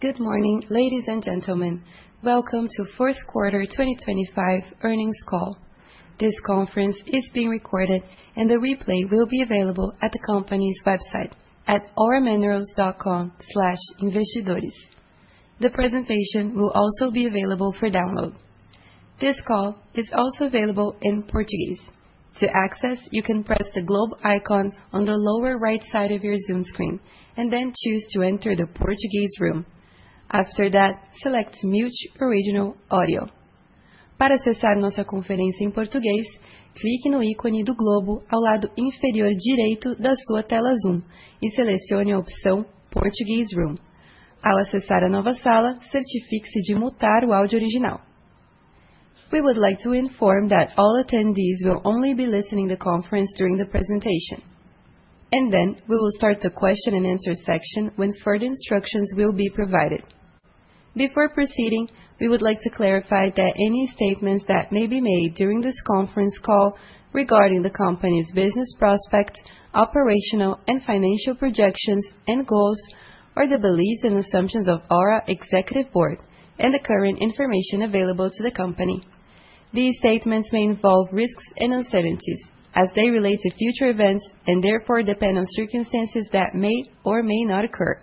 Good morning, ladies and gentlemen. Welcome to Fourth Quarter 2025 Earnings Call. This conference is being recorded and the replay will be available at the company's website at auraminerals.com. The presentation will also be available for download. This call is also available in Portuguese. To access, you can press the globe icon on the lower right side of your Zoom screen and then choose to enter the Portuguese room. After that, select Mute Original Audio. Para acessar nossa conferência em português, clique no ícone do globo ao lado inferior direito da sua tela Zoom e selecione a opção Portuguese room. Ao acessar a nova sala, certifique-se de mutar o áudio original. We would like to inform that all attendees will only be listening to the conference during the presentation, and then we will start the question and answer section when further instructions will be provided. Before proceeding, we would like to clarify that any statements that may be made during this conference call regarding the company's business prospects, operational and financial projections and goals, are the beliefs and assumptions of Aura Executive Board and the current information available to the company. These statements may involve risks and uncertainties as they relate to future events and therefore depend on circumstances that may or may not occur.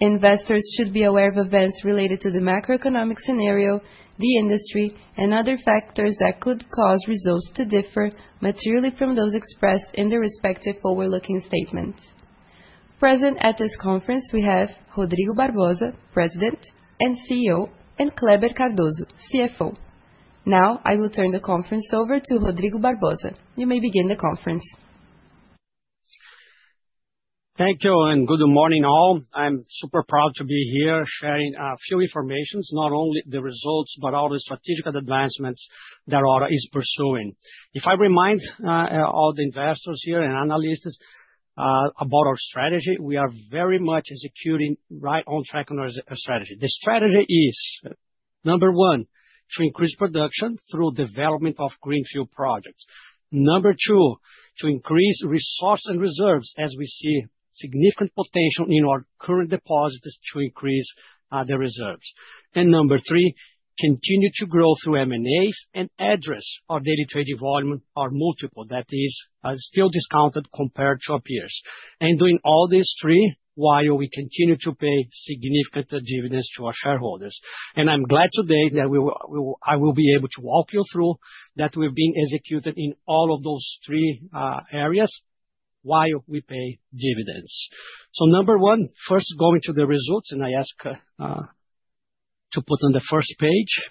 Investors should be aware of events related to the macroeconomic scenario, the industry, and other factors that could cause results to differ materially from those expressed in the respective forward-looking statements. Present at this conference, we have Rodrigo Barbosa, President and CEO, and Kleber Cardozo, CFO. Now, I will turn the conference over to Rodrigo Barbosa. You may begin the conference. Thank you and good morning, all. I'm super proud to be here sharing a few informations, not only the results, but all the strategic advancements that Aura is pursuing. If I remind all the investors here and analysts about our strategy, we are very much executing right on track on our strategy. The strategy is, number one, to increase production through development of greenfield projects. Number two, to increase resource and reserves as we see significant potential in our current deposits to increase the reserves. Number three, continue to grow through M&As and address our daily trading volume, our multiple, that is still discounted compared to our peers. Doing all these three, while we continue to pay significant dividends to our shareholders. I'm glad today that I will be able to walk you through that we've been executed in all of those three areas while we pay dividends. Number one, first, going to the results, and I ask to put on the first page.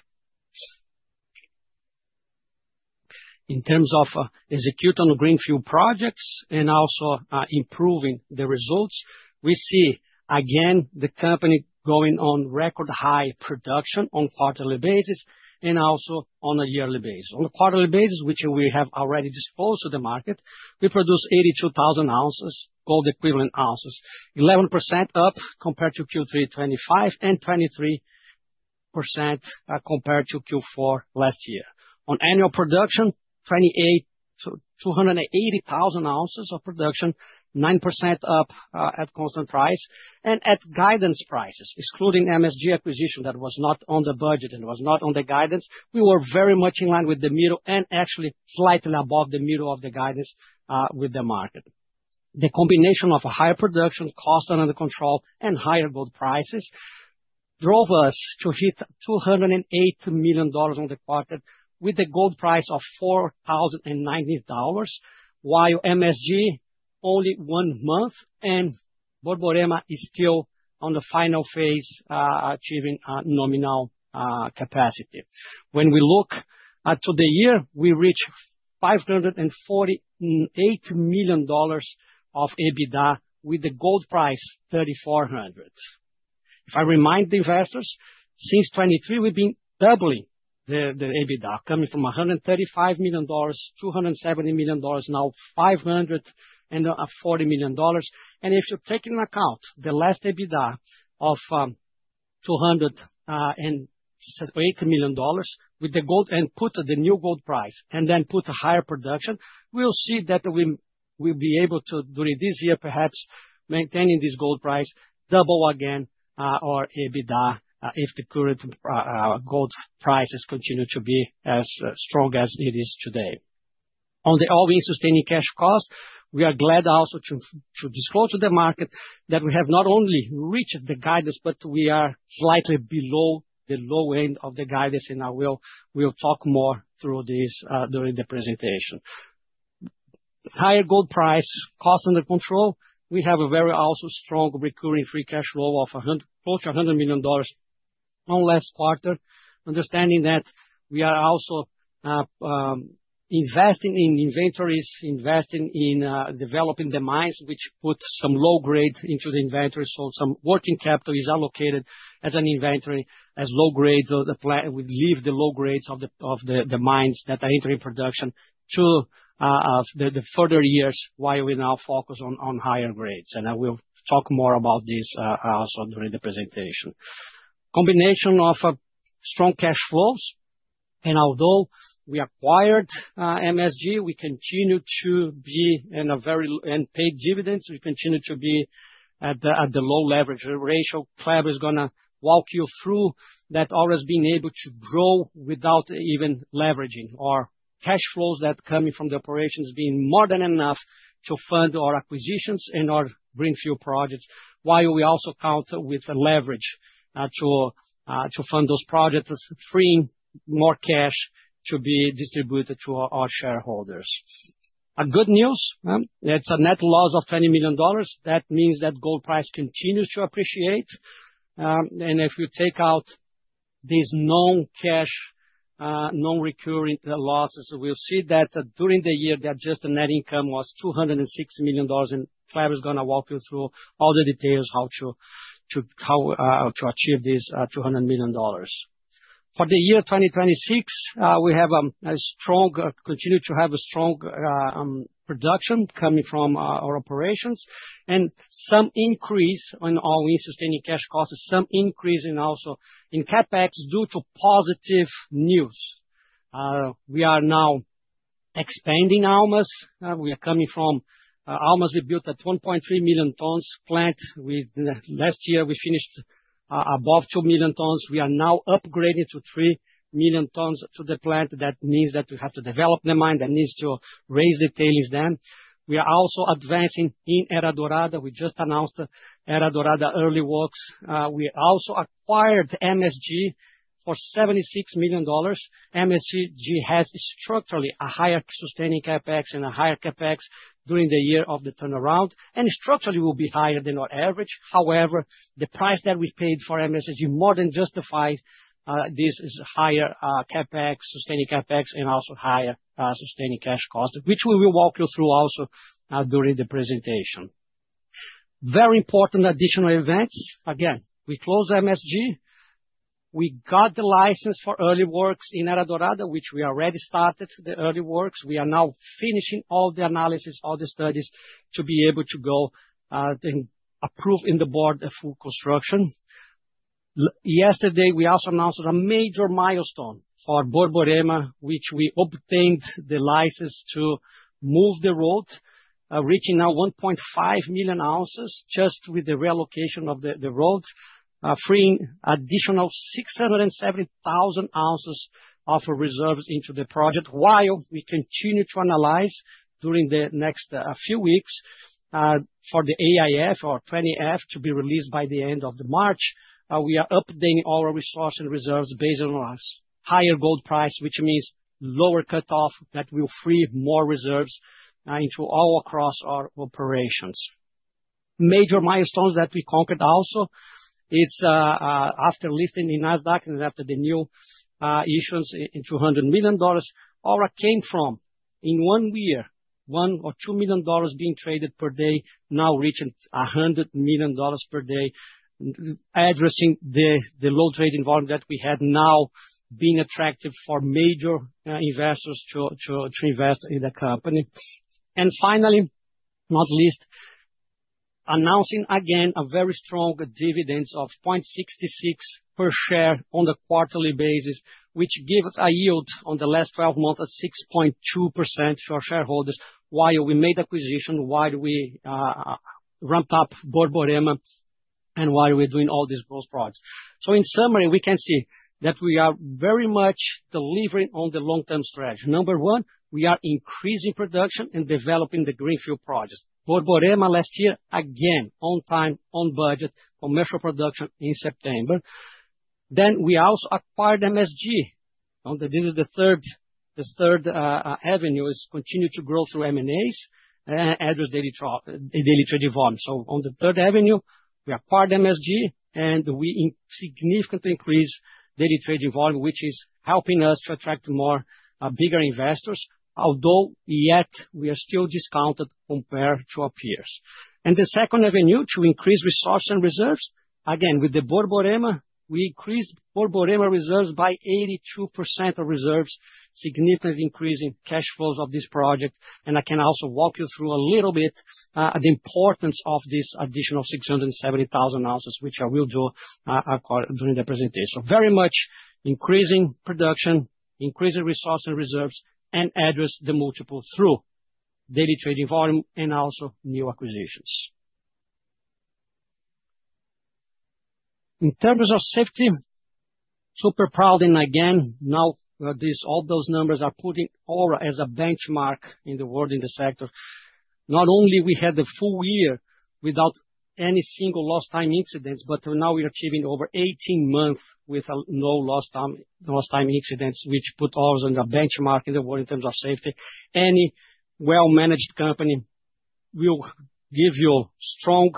In terms of execute on greenfield projects and also improving the results, we see again, the company going on record high production on a quarterly basis and also on a yearly basis. On a quarterly basis, which we have already disclosed to the market, we produced 82,000 ounces, gold equivalent ounces, 11% up compared to Q3 2025 and 23% compared to Q4 last year. On annual production, 280,000 ounces of production, 9% up, at constant price and at guidance prices, excluding MSG acquisition, that was not on the budget and was not on the guidance, we were very much in line with the middle and actually slightly above the middle of the guidance with the market. The combination of a higher production, cost under control, and higher gold prices, drove us to hit $208 million on the quarter with a gold price of $4,090, while MSG, only one month, and Borborema is still on the final phase, achieving nominal capacity. When we look to the year, we reach $548 million of EBITDA with the gold price, $3,400. If I remind the investors, since 2023, we've been doubling the EBITDA, coming from $135 million, $270 million, now $540 million. If you take into account the last EBITDA of $280 million with the gold and put the new gold price and then put a higher production, we'll see that we'll be able to, during this year, perhaps, maintaining this gold price, double again our EBITDA if the current gold prices continue to be as strong as it is today. On the all-in sustaining cash costs, we are glad also to disclose to the market that we have not only reached the guidance, but we are slightly below the low end of the guidance, and I will talk more through this during the presentation. Higher gold price, cost under control. We have a very also strong recurring free cash flow of close to $100 million on last quarter. Understanding that we are also investing in inventories, investing in developing the mines, which puts some low grade into the inventory. Some working capital is allocated as an inventory, as low grades of the. We leave the low grades of the mines that are entering production to the further years, while we now focus on higher grades. I will talk more about this also during the presentation. Combination of strong cash flows, although we acquired MSG, and pay dividends, we continue to be at the low leverage ratio. Kleber is gonna walk you through that always being able to grow without even leveraging our cash flows that coming from the operations being more than enough to fund our acquisitions and our greenfield projects, while we also counter with a leverage to fund those projects, freeing more cash to be distributed to our shareholders. A good news, it's a net loss of $20 million. That means that gold price continues to appreciate. If you take out these non-cash, non-recurring losses, we'll see that during the year, the adjusted net income was $260 million, and Kleber is gonna walk you through all the details, how to achieve this $200 million. For the year 2026, we continue to have a strong production coming from our operations, and some increase on our all-in sustaining cash costs, some increase in also in CapEx, due to positive news. We are now expanding Almas. We are coming from Almas, we built at 1.3 million tons plant. Last year, we finished above 2 million tons. We are now upgrading to 3 million tons to the plant. That means that we have to develop the mine, that needs to raise the tailings dam. We are also advancing in Era Dorada. We just announced Era Dorada early works. We also acquired MSG for $76 million. MSG has structurally a higher sustaining CapEx and a higher CapEx during the year of the turnaround, and structurally will be higher than our average. However, the price that we paid for MSG more than justified, this is higher CapEx, sustaining CapEx, and also higher sustaining cash costs, which we will walk you through also during the presentation. Very important additional events. Again, we closed MSG. We got the license for early works in Era Dorada, which we already started the early works. We are now finishing all the analysis, all the studies, to be able to go, then approve in the board the full construction. Yesterday, we also announced a major milestone for Borborema, which we obtained the license to move the road, reaching now 1.5 million ounces, just with the relocation of the road, freeing additional 670,000 ounces of reserves into the project. While we continue to analyze during the next few weeks, for the AIF or 20-F to be released by the end of March, we are updating our resource and reserves based on our higher gold price, which means lower cut-off that will free more reserves into all across our operations. Major milestones that we conquered also is, after listing in Nasdaq and after the new issuance in $200 million, Aura came from, in one year, $1 million-$2 million being traded per day, now reaching $100 million per day. Addressing the low trading volume that we had, now being attractive for major investors to invest in the company. Finally, not least, announcing again a very strong dividends of $0.66 per share on a quarterly basis, which gives a yield on the last 12 months of 6.2% for shareholders, while we made acquisition, while we ramp up Borborema, and while we're doing all these growth projects. In summary, we can see that we are very much delivering on the long-term strategy. Number one, we are increasing production and developing the greenfield projects. Borborema last year, again, on time, on budget, commercial production in September. We also acquired MSG, and this is the third avenue, is continue to grow through M&As, address daily trading volume. On the third avenue, we acquired MSG, and we significantly increased daily trading volume, which is helping us to attract more bigger investors, although yet we are still discounted compared to our peers. The second avenue, to increase resource and reserves, again, with the Borborema, we increased Borborema reserves by 82% of reserves, significantly increasing cash flows of this project. I can also walk you through a little bit the importance of this additional 670,000 ounces, which I will do during the presentation. Very much increasing production, increasing resource and reserves, and address the multiple through daily trading volume and also new acquisitions. In terms of safety, super proud, and again, now, all those numbers are putting Aura as a benchmark in the world, in the sector. Not only we had the full year without any single lost time incidents, but now we're achieving over 18 months with no lost time incidents, which put us on a benchmark in the world in terms of safety. Any well-managed company will give you strong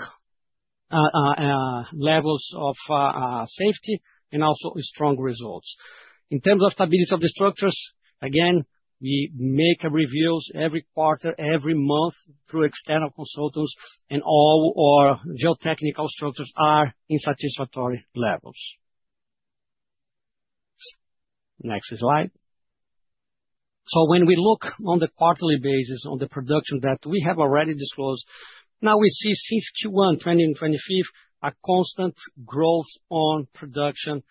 levels of safety and also strong results. In terms of stability of the structures, again, we make reviews every quarter, every month, through external consultants, and all our geotechnical structures are in satisfactory levels. Next slide. When we look on the quarterly basis on the production that we have already disclosed, now we see since Q1, 20 and 25th, a constant growth on production,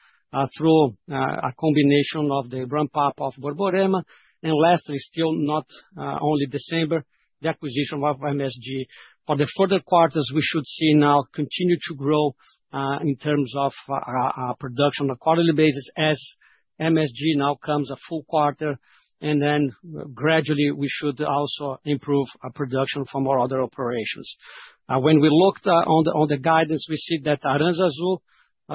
through a combination of the ramp-up of Borborema, and lastly, still not, only December, the acquisition of MSG. For the further quarters, we should see now continue to grow, in terms of, production on a quarterly basis as MSG now comes a full quarter, and then gradually we should also improve our production from our other operations. When we looked, on the guidance, we see that Aranzazu,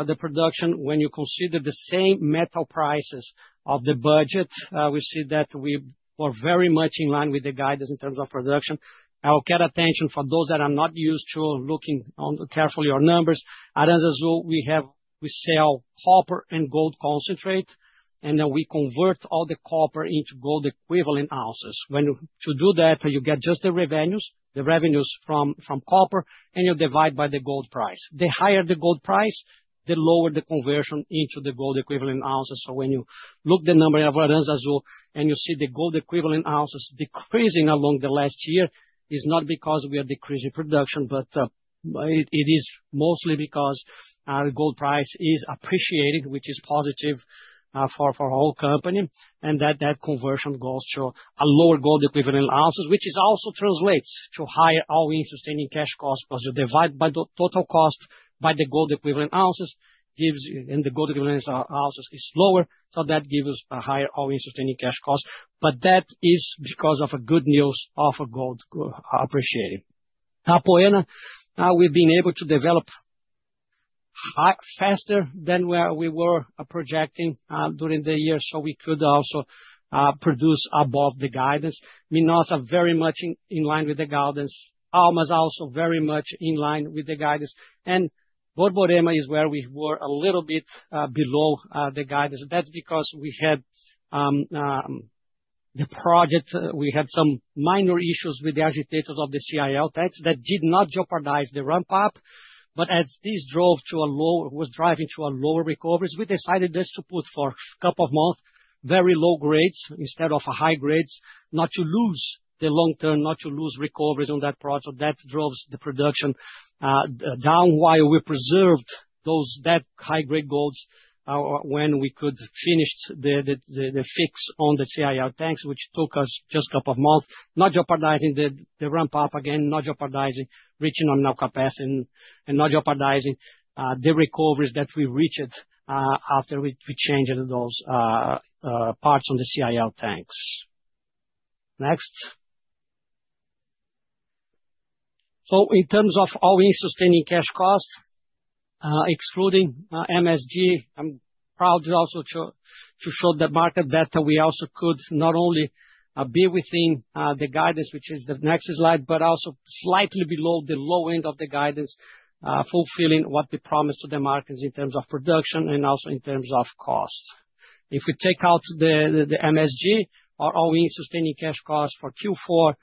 the production, when you consider the same metal prices of the budget, we see that we are very much in line with the guidance in terms of production. I will get attention from those that are not used to looking on carefully our numbers. Aranzazu, we sell copper and gold concentrate, and then we convert all the copper into gold equivalent ounces. To do that, you get just the revenues, the revenues from copper, and you divide by the gold price. The higher the gold price, the lower the conversion into the gold equivalent ounces. When you look the number of Aranzazu, and you see the gold equivalent ounces decreasing along the last year, it is mostly because gold price is appreciated, which is positive for our whole company, and that conversion goes to a lower gold equivalent ounces, which also translates to higher all-in sustaining cash costs, because you divide by the total cost by the gold equivalent ounces, gives you, and the gold equivalent ounces is lower, so that gives us a higher all-in sustaining cash costs. That is because of a good news of a gold Apoena, we've been able to develop faster than where we were projecting during the year, so we could also produce above the guidance. Minosa are very much in line with the guidance. Almas also very much in line with the guidance. Borborema is where we were a little bit below the guidance. Because we had the project, we had some minor issues with the agitators of the CIL tanks that did not jeopardize the ramp-up, but as this was driving to a lower recoveries, we decided just to put for a couple of months, very low grades instead of high grades, not to lose the long term, not to lose recoveries on that project. That drives the production down, while we preserved those, that high-grade golds, when we could finish the fix on the CIR tanks, which took us just a couple of months, not jeopardizing the ramp-up again, not jeopardizing reaching on now capacity and not jeopardizing the recoveries that we reached after we changed those parts on the CIL tanks. Next. In terms of all-in sustaining cash costs, excluding MSG, I'm proud also to show the market that we also could not only be within the guidance, which is the next slide, but also slightly below the low end of the guidance, fulfilling what we promised to the markets in terms of production and also in terms of costs. If we take out the MSG, our all-in sustaining cash costs for Q4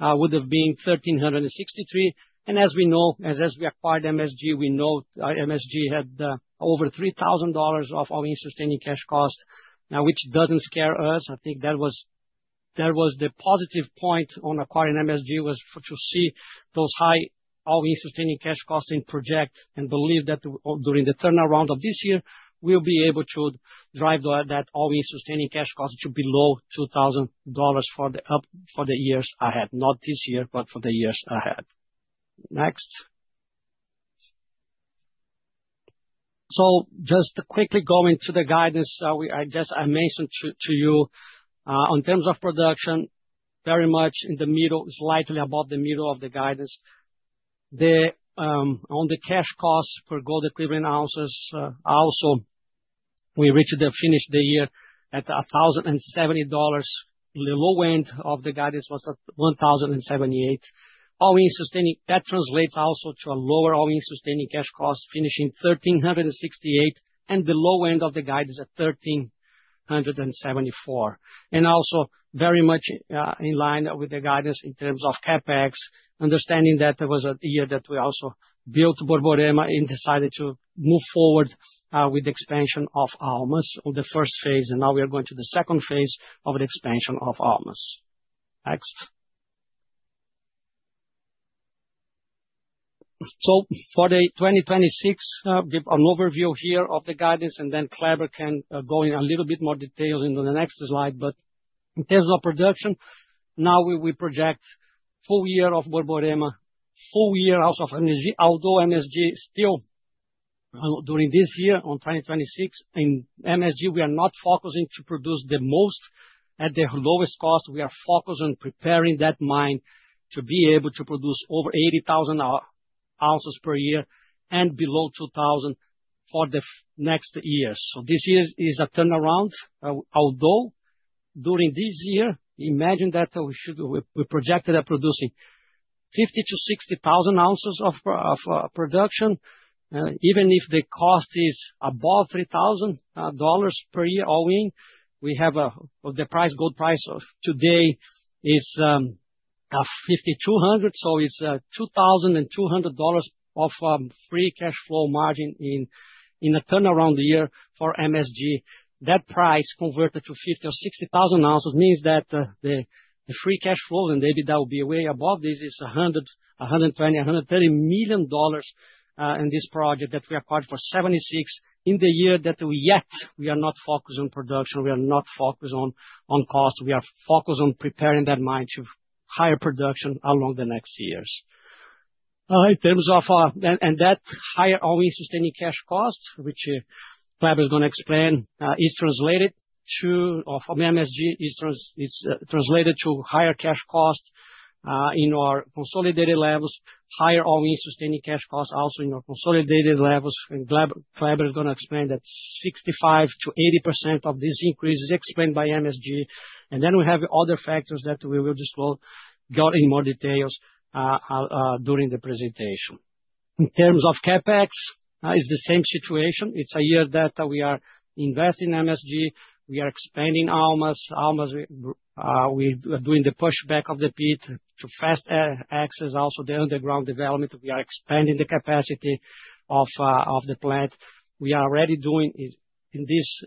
would have been $1,363. As we know, as we acquired MSG, we know our MSG had over $3,000 of all-in sustaining cash costs, which doesn't scare us. I think that was the positive point on acquiring MSG, was to see those high all-in sustaining cash costs in project and believe that, during the turnaround of this year, we'll be able to drive that all-in sustaining cash costs to below $2,000 for the years ahead. Not this year, but for the years ahead. Next. Just to quickly go into the guidance, I just mentioned to you, on terms of production, very much in the middle, slightly above the middle of the guidance. On the cash costs per gold equivalent ounces, also, we reached the finish the year at $1,070. The low end of the guidance was at $1,078. All-in sustaining, that translates also to a lower all-in sustaining cash costs, finishing $1,368, and the low end of the guidance at $1,374. Very much in line with the guidance in terms of CapEx, understanding that there was a year that we also built Borborema and decided to move forward with the expansion of Almas, or the first phase, and now we are going to the second phase of the expansion of Almas. Next. For the 2026, give an overview here of the guidance, and then Kleber can go in a little bit more detail into the next slide. In terms of production, now we project full year of Borborema, full year also of MSG, although MSG still during this year, on 2026, in MSG, we are not focusing to produce the most at the lowest cost. We are focused on preparing that mine to be able to produce over 80,000 ounces per year and below $2,000 for the next year. This year is a turnaround, although during this year, imagine that we should, we projected at producing 50,000 ounces - 60,000 ounces of production, even if the cost is above $3,000 per year all-in, we have the price, gold price of today is $5,200, so it's $2,200 of free cash flow margin in a turnaround year for MSG. That price converted to 50,000 or 60,000 ounces, means that the free cash flow, and maybe that will be way above this, is $100 million, $120 million, $130 million in this project that we acquired for $76 in the year, that yet we are not focused on production, we are not focused on cost. We are focused on preparing that mine to higher production along the next years. In terms of. That higher all-in sustaining cash costs, which Kleber is gonna explain, is translated to, of MSG, it's translated to higher cash costs in our consolidated levels, higher all-in sustaining cash costs also in our consolidated levels, and Kleber is gonna explain that 65%-8 0% of this increase is explained by MSG. We have other factors that we will just go in more details during the presentation. In terms of CapEx, is the same situation. It's a year that we are investing in MSG, we are expanding Almas. Almas, we are doing the pushback of the pit to fast access, also the underground development. We are expanding the capacity of the plant. We are already doing it. This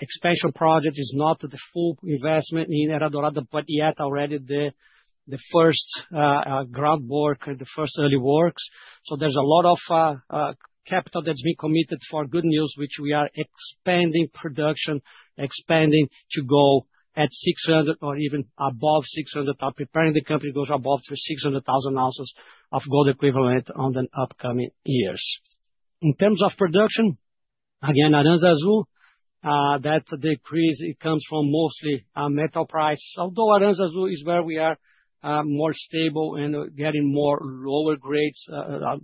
expansion project is not the full investment in Era Dorado, but yet already the first ground work, the first early works. There's a lot of capital that's been committed for good news, which we are expanding production, expanding to go at 600 or even above 600, preparing the company to go above the 600,000 ounces of gold equivalent on the upcoming years. In terms of production, again, Aranzazu, that decrease, it comes from mostly metal prices. Although Aranzazu is where we are more stable and getting more lower grades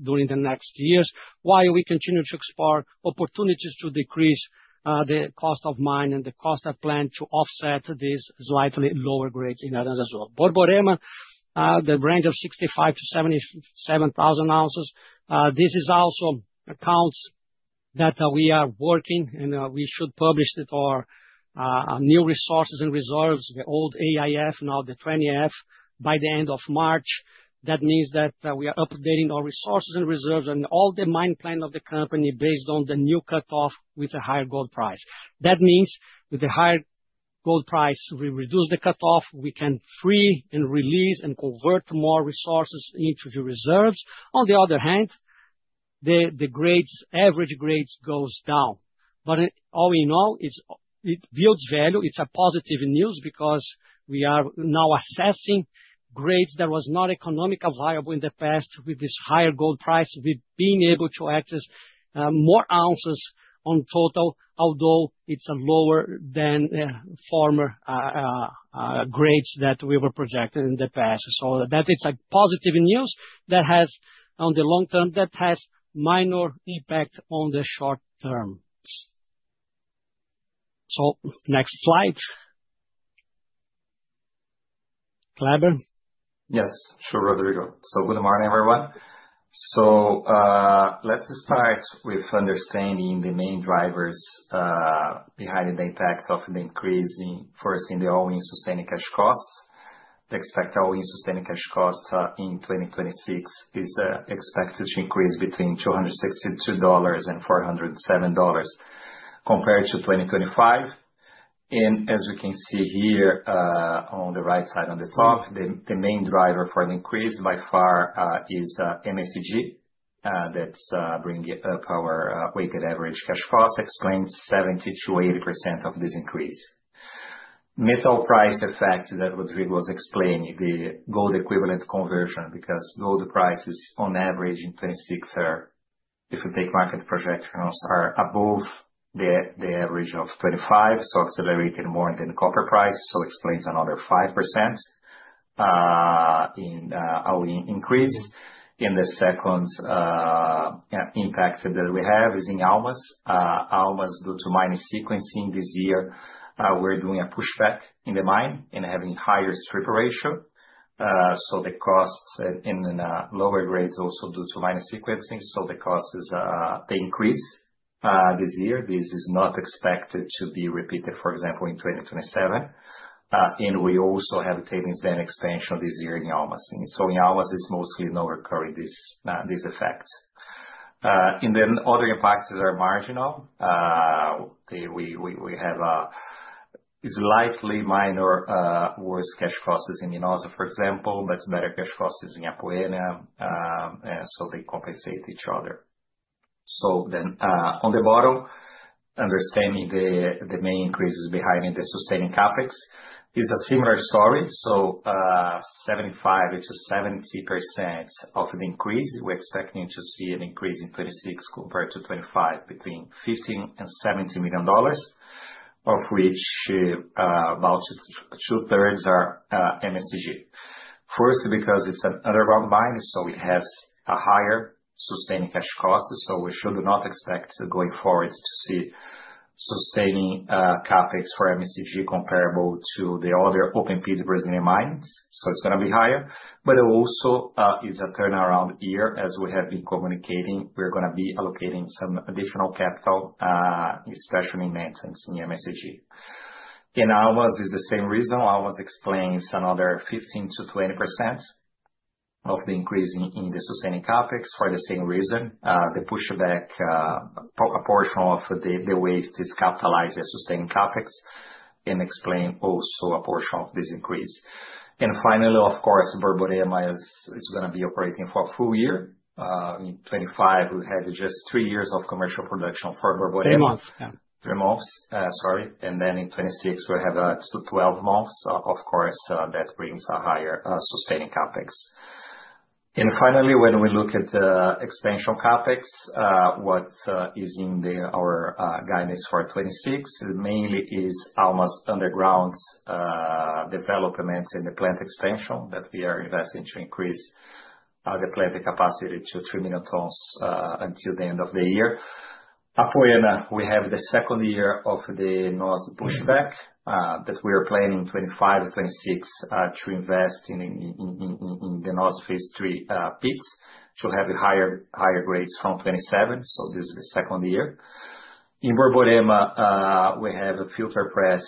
during the next years, while we continue to explore opportunities to decrease the cost of mine and the cost of plant to offset this slightly lower grades in Aranzazu. Borborema, the range of 65,000 ounces - 77,000 ounces, this is also accounts that we are working, and we should publish it, our new resources and reserves, the old AIF, now the 20-F, by the end of March. That means that we are updating our resources and reserves and all the mine plan of the company based on the new cutoff with a higher gold price. That means with a higher gold price, we reduce the cutoff, we can free and release and convert more resources into the reserves. On the other hand, the grades, average grades goes down. All in all, it builds value. It's a positive news, because we are now assessing grades that was not economical viable in the past. With this higher gold price, we've been able to access more ounces on total, although it's lower than former grades that we were projected in the past. That is a positive news that has, on the long term, that has minor impact on the short terms. Next slide. Kleber? Yes, sure, Rodrigo. Good morning, everyone. Let's start with understanding the main drivers behind the impact of the increase in, first, in the all-in sustaining cash costs. Expect all-in sustaining cash costs in 2026 is expected to increase between $262 and $407 compared to 2025. As we can see here, on the right side on the top, the main driver for the increase by far is MSCG, that's bringing up our weighted average cash costs, explains 70%-80% of this increase. Metal price effect that Rodrigo was explaining, the gold equivalent conversion, because gold prices on average in 2026 are, if we take market projections, are above the average of 2025, accelerating more than copper price, explains another 5% in our increase. The second impact that we have is in Almas. Almas, due to mining sequencing this year, we're doing a pushback in the mine and having higher strip ratio. The costs and lower grades also due to mining sequencing, the costs is they increase this year. This is not expected to be repeated, for example, in 2027. We also have tailings dam expansion this year in Almas. In Almas, it's mostly no recurring this, these effects. Other impacts are marginal. We have slightly minor worse cash costs in Minosa, for example, but better cash costs in Apoena, they compensate each other. On the bottom, understanding the main increases behind the sustaining CapEx. It's a similar story, 75%-70% of the increase, we're expecting to see an increase in 2026 compared to 2025, between $15 million and $17 million, of which about 2/3 are MSG. First, because it's an underground mine, it has a higher sustaining cash cost, we should not expect going forward to see sustaining CapEx for MSG comparable to the other open pit Brazilian mines, it's gonna be higher. It also is a turnaround year, as we have been communicating. We're gonna be allocating some additional capital, especially in maintenance in MSG. In Almas, it's the same reason. Almas explains another 15%-20% of the increase in the sustaining CapEx for the same reason, the pushback, a portion of the waste is capitalized as sustained CapEx, and explain also a portion of this increase. Finally, of course, Borborema is gonna be operating for a full year. In 2025, we had just three years of commercial production for Borborema. Three months, yeah. Three months, sorry. Then in 2026, we have up to 12 months. Of course, that brings a higher sustaining CapEx. Finally, when we look at the expansion CapEx, what is in our guidance for 2026, mainly is almost undergrounds, developments in the plant expansion that we are investing to increase the plant capacity to 3 million tons until the end of the year. Apoena, we have the second year of the north pushback that we are planning in 2025 and 2026, to invest in the north phase three pits to have higher grades from 2027, so this is the second year. In Borborema, we have a filter press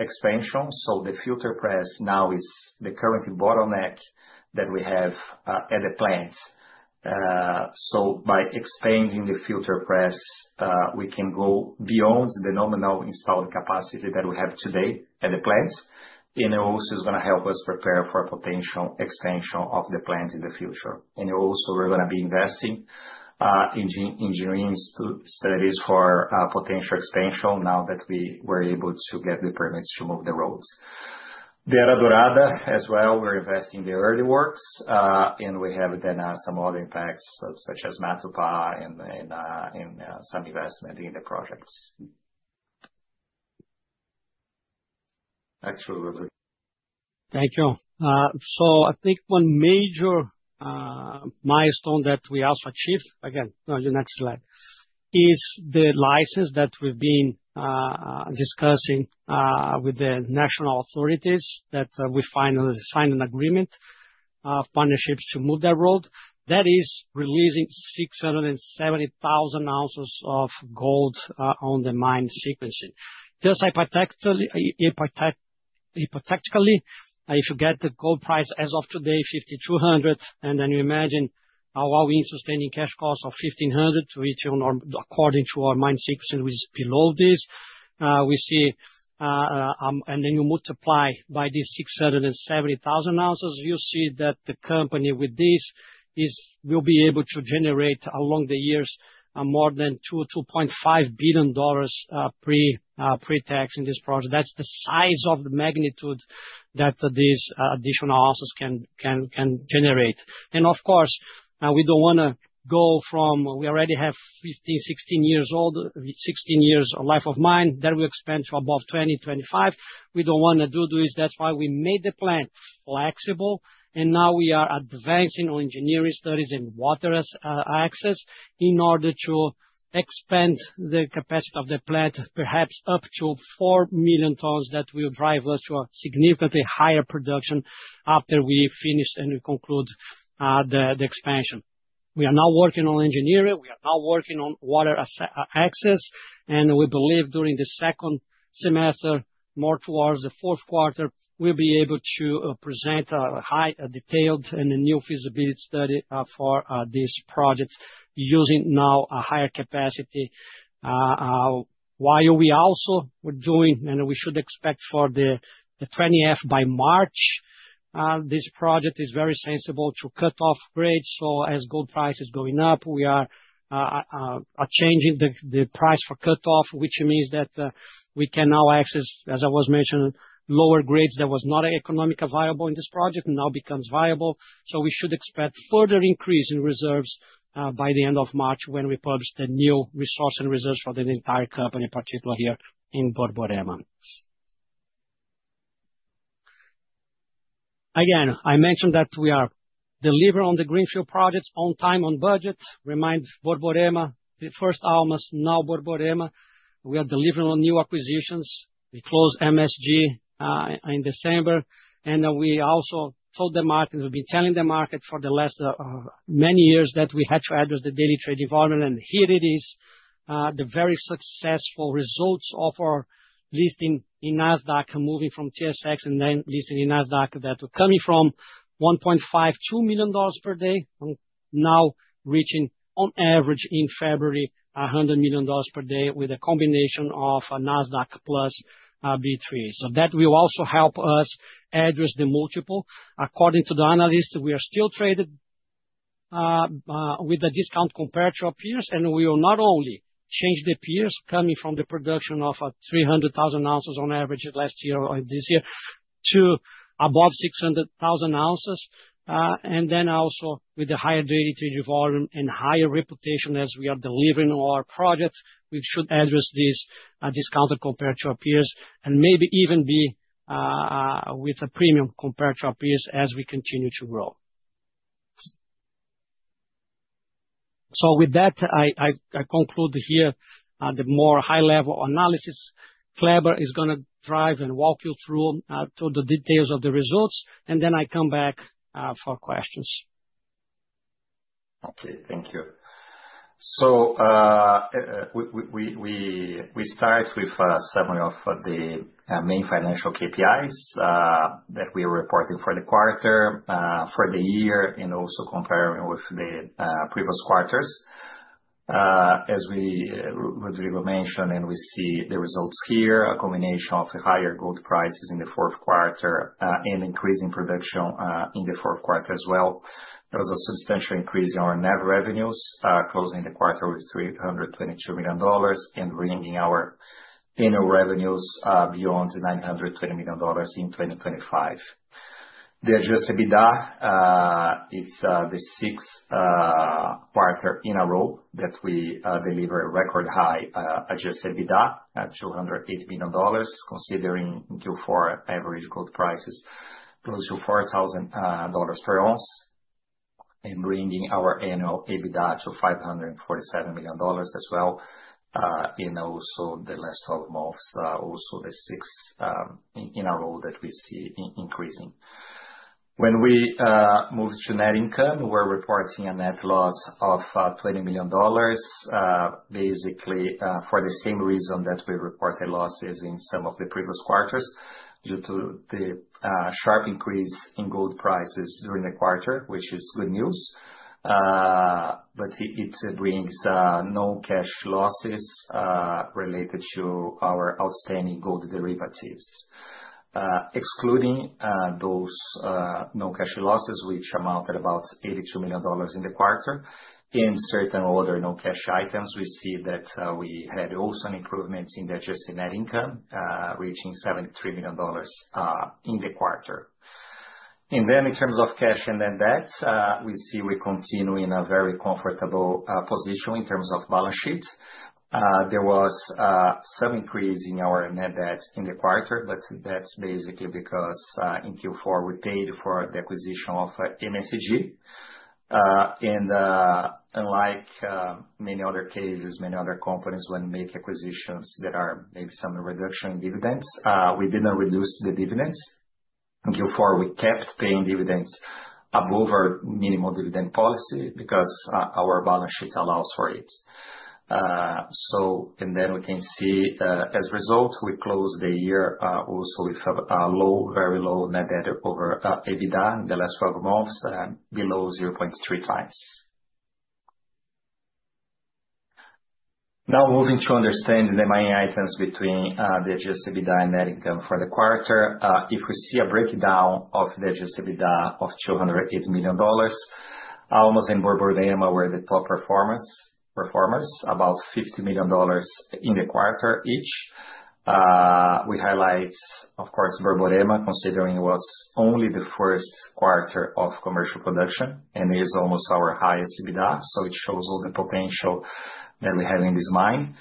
expansion. So the filter press now is the current bottleneck that we have at the plant. By expanding the filter press, we can go beyond the nominal installed capacity that we have today at the plant, and it also is gonna help us prepare for a potential expansion of the plant in the future. Also, we're gonna be investing engineering studies for potential expansion now that we were able to get the permits to move the roads. The Era Dorada as well, we're investing in the early works, and we have then some other impacts, such as Matupá and some investment in the projects. Back to you, Rodrigo. Thank you. I think one major milestone that we also achieved, again, on the next slide, is the license that we've been discussing with the National Authorities, that we finally signed an agreement, partnerships to move that road. That is releasing 670,000 ounces of gold on the mine sequencing. Just hypothetically, if you get the gold price as of today, $5,200, and then you imagine our all-in sustaining cash cost of $1,500, which are according to our mine sequence, which is below this, we see, and then you multiply by the 670,000 ounces, you see that the company with this, will be able to generate along the years, more than $2.5 billion pre-tax in this project. That's the size of the magnitude that these additional ounces can generate. Of course, we don't wanna go from, we already have 15, 16 years old, 16 years of life of mine, that we expand to above 20, 25. We don't wanna do this. That's why we made the plant flexible, now we are advancing on Engineering studies and water access in order to expand the capacity of the plant, perhaps up to 4 million tons, that will drive us to a significantly higher production after we finish and we conclude the expansion. We are now working on Engineering, we are now working on water access. We believe during the second semester, more towards the fourth quarter, we'll be able to present a high detailed and a new feasibility study for these projects using now a higher capacity. While we also we're doing, and we should expect for the 20-F by March, this project is very sensible to cut-off grades. As gold price is going up, we are changing the price for cut-off, which means that we can now access, as I was mentioning, lower grades that was not economically viable in this project, now becomes viable. We should expect further increase in reserves, by the end of March, when we publish the new resource and reserves for the entire company, particularly here in Borborema. I mentioned that we are delivering on the greenfield projects on time, on budget. Remind Borborema, the first almost, now Borborema, we are delivering on new acquisitions. We closed MSG in December, we also told the market, we've been telling the market for the last many years, that we had to address the daily trade volume, and here it is, the very successful results of our listing in Nasdaq and moving from TSX and then listing in Nasdaq, that coming from $1.5 million-$2 million per day, now reaching on average in February, $100 million per day with a combination of a Nasdaq plus B3. That will also help us address the multiple. According to the analysts, we are still traded with a discount compared to our peers, we will not only change the peers coming from the production of 300,000 ounces on average last year or this year, to above 600,000 ounces, and then also with the higher daily volume and higher reputation as we are delivering on our projects, we should address this discounted compared to our peers, and maybe even be with a premium compared to our peers as we continue to grow. With that, I conclude here the more high-level analysis. Kleber is gonna drive and walk you through the details of the results, then I come back for questions. Okay, thank you. We start with summary of the main financial KPIs that we are reporting for the quarter, for the year, and also comparing with the previous quarters. As Rodrigo mentioned, and we see the results here, a combination of the higher gold prices in the fourth quarter, and increasing production in the fourth quarter as well. There was a substantial increase in our net revenues, closing the quarter with $322 million, and bringing our annual revenues beyond $920 million in 2025. The Adjusted EBITDA, it's the sixth quarter in a row that we deliver a record high Adjusted EBITDA at $208 million, considering Q4 average gold prices close to $4,000 per ounce, and bringing our annual EBITDA to $547 million as well, in also the last 12 months, also the sixth in a row that we see increasing. We move to Net income, we're reporting a net loss of $20 million, basically for the same reason that we reported losses in some of the previous quarters, due to the sharp increase in gold prices during the quarter, which is good news. It brings no cash losses related to our outstanding gold derivatives. Excluding those no cash losses, which amounted about $82 million in the quarter, in certain other no cash items, we see that we had also an improvements in the adjusted net income, reaching $73 million, in the quarter. In terms of cash and net debt, we see we continue in a very comfortable, position in terms of balance sheets. There was, some increase in our net debt in the quarter, but that's basically because, in Q4, we paid for the acquisition of MSCG. Unlike, many other cases, many other companies when make acquisitions there are maybe some reduction in dividends, we did not reduce the dividends. In Q4, we kept paying dividends above our minimum dividend policy because, our balance sheet allows for it. We can see, as a result, we closed the year also with a low, very low net-debt-over-EBITDA in the last 12 months, below 0.3x. Moving to understand the main items between the Adjusted EBITDA and Net income for the quarter. If we see a breakdown of the Adjusted EBITDA of $208 million, almost in Borborema were the top performers, about $50 million in the quarter each. We highlight, of course, Borborema, considering it was only the first quarter of commercial production, and is almost our highest EBITDA, it shows all the potential that we have in this mine.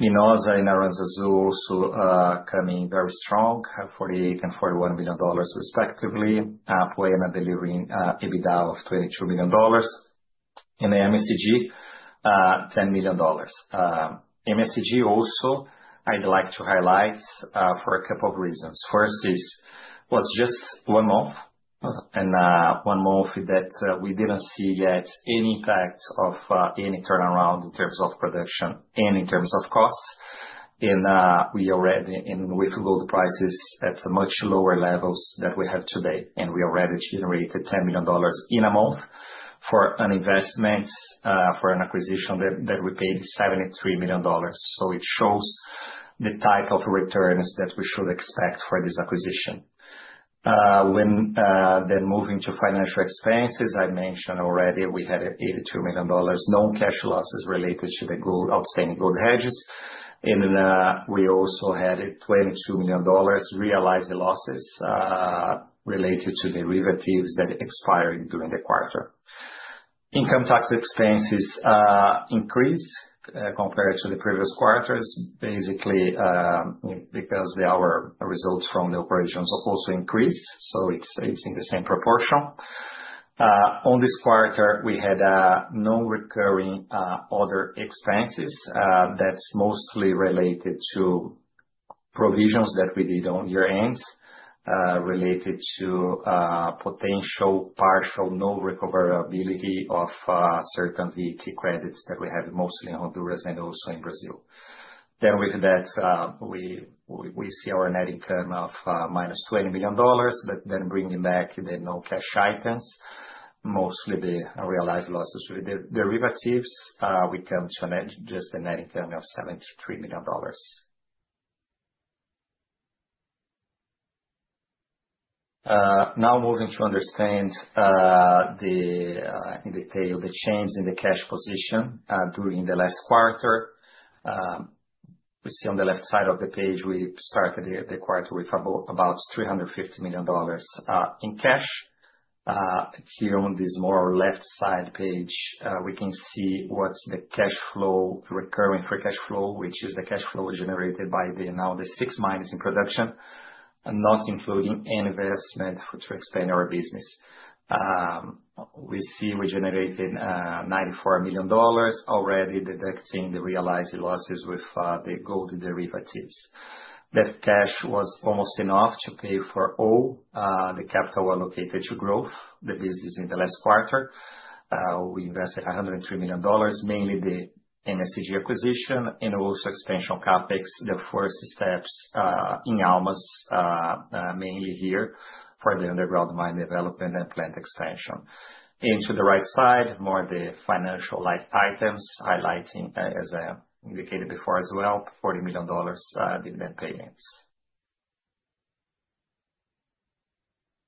Minosa and Aranzazu also coming very strong, at $48 million and $41 million respectively, Apoena delivering EBITDA of $22 million, and the MSCG, $10 million. MSCG also, I'd like to highlight for a couple of reasons. First, this was just one month, and one month that we didn't see yet any impact of any turnaround in terms of production and in terms of costs. With gold prices at much lower levels than we have today, and we already generated $10 million in a month for an investment for an acquisition that we paid $73 million. It shows the type of returns that we should expect for this acquisition. Moving to financial expenses, I mentioned already we had $82 million non-cash losses related to the gold, outstanding gold hedges. We also had $22 million realized losses related to derivatives that expired during the quarter. Income tax expenses increased compared to the previous quarters, basically, because our results from the operations also increased, so it's in the same proportion. On this quarter, we had no recurring other expenses, that's mostly related to provisions that we did on year-end, related to potential partial no recoverability of certain ET credits that we have mostly in Honduras and also in Brazil. With that, we see our net income of -$20 million. Bringing back the no cash items, mostly the realized losses with the derivatives, we come to a net income of $73 million. Now moving to understand the in detail, the change in the cash position during the last quarter. We see on the left side of the page, we started the quarter with about $350 million in cash. Here on this more left side page, we can see what's the cash flow, recurring free cash flow, which is the cash flow generated by the now the six mines in production, and not including any investment to expand our business. We see we generated $94 million, already deducting the realized losses with the gold derivatives. That cash was almost enough to pay for all the capital allocated to growth. The business in the last quarter, we invested $103 million, mainly the MSG acquisition and also expansion CapEx, the first steps in Almas, mainly here for the underground mine development and plant expansion. To the right side, more the financial-like items, highlighting, as I indicated before as well, $40 million dividend payments.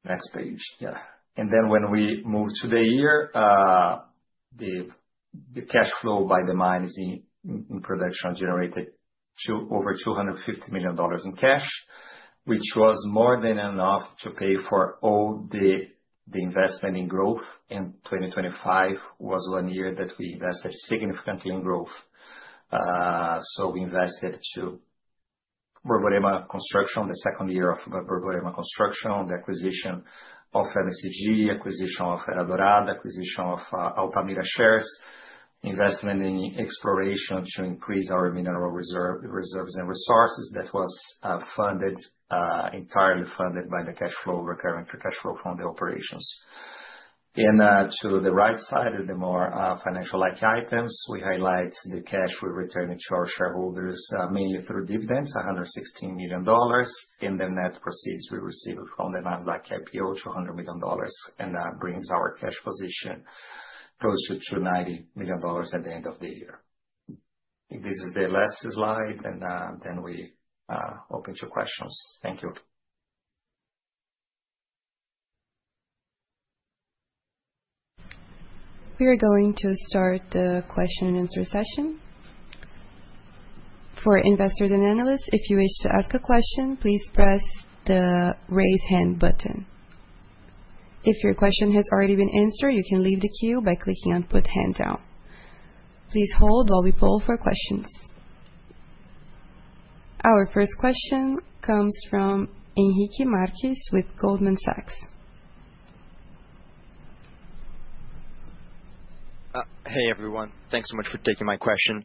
Next page. Yeah. When we move to the year, the cash flow by the mines in production generated over $250 million in cash, which was more than enough to pay for all the investment in growth, and 2025 was one year that we invested significantly in growth. So we invested to Morro do Lima construction, the second year of Morro do Lima construction, the acquisition of MSCG, acquisition of Era Dorada, acquisition of Altamira shares, investment in exploration to increase our mineral reserves and resources. That was funded entirely funded by the cash flow, recurring free cash flow from the operations. To the right side of the more financial-like items, we highlight the cash we returned to our shareholders, mainly through dividends, $116 million, and the net proceeds we received from the last like IPO, $200 million. That brings our cash position close to $290 million at the end of the year. This is the last slide, then we open to questions. Thank you. We are going to start the question and answer session. For investors and analysts, if you wish to ask a question, please press the raise hand button. If your question has already been answered, you can leave the queue by clicking on put hand down. Please hold while we poll for questions. Our first question comes from Enrique Marquez with Goldman Sachs. Hey, everyone. Thanks so much for taking my question.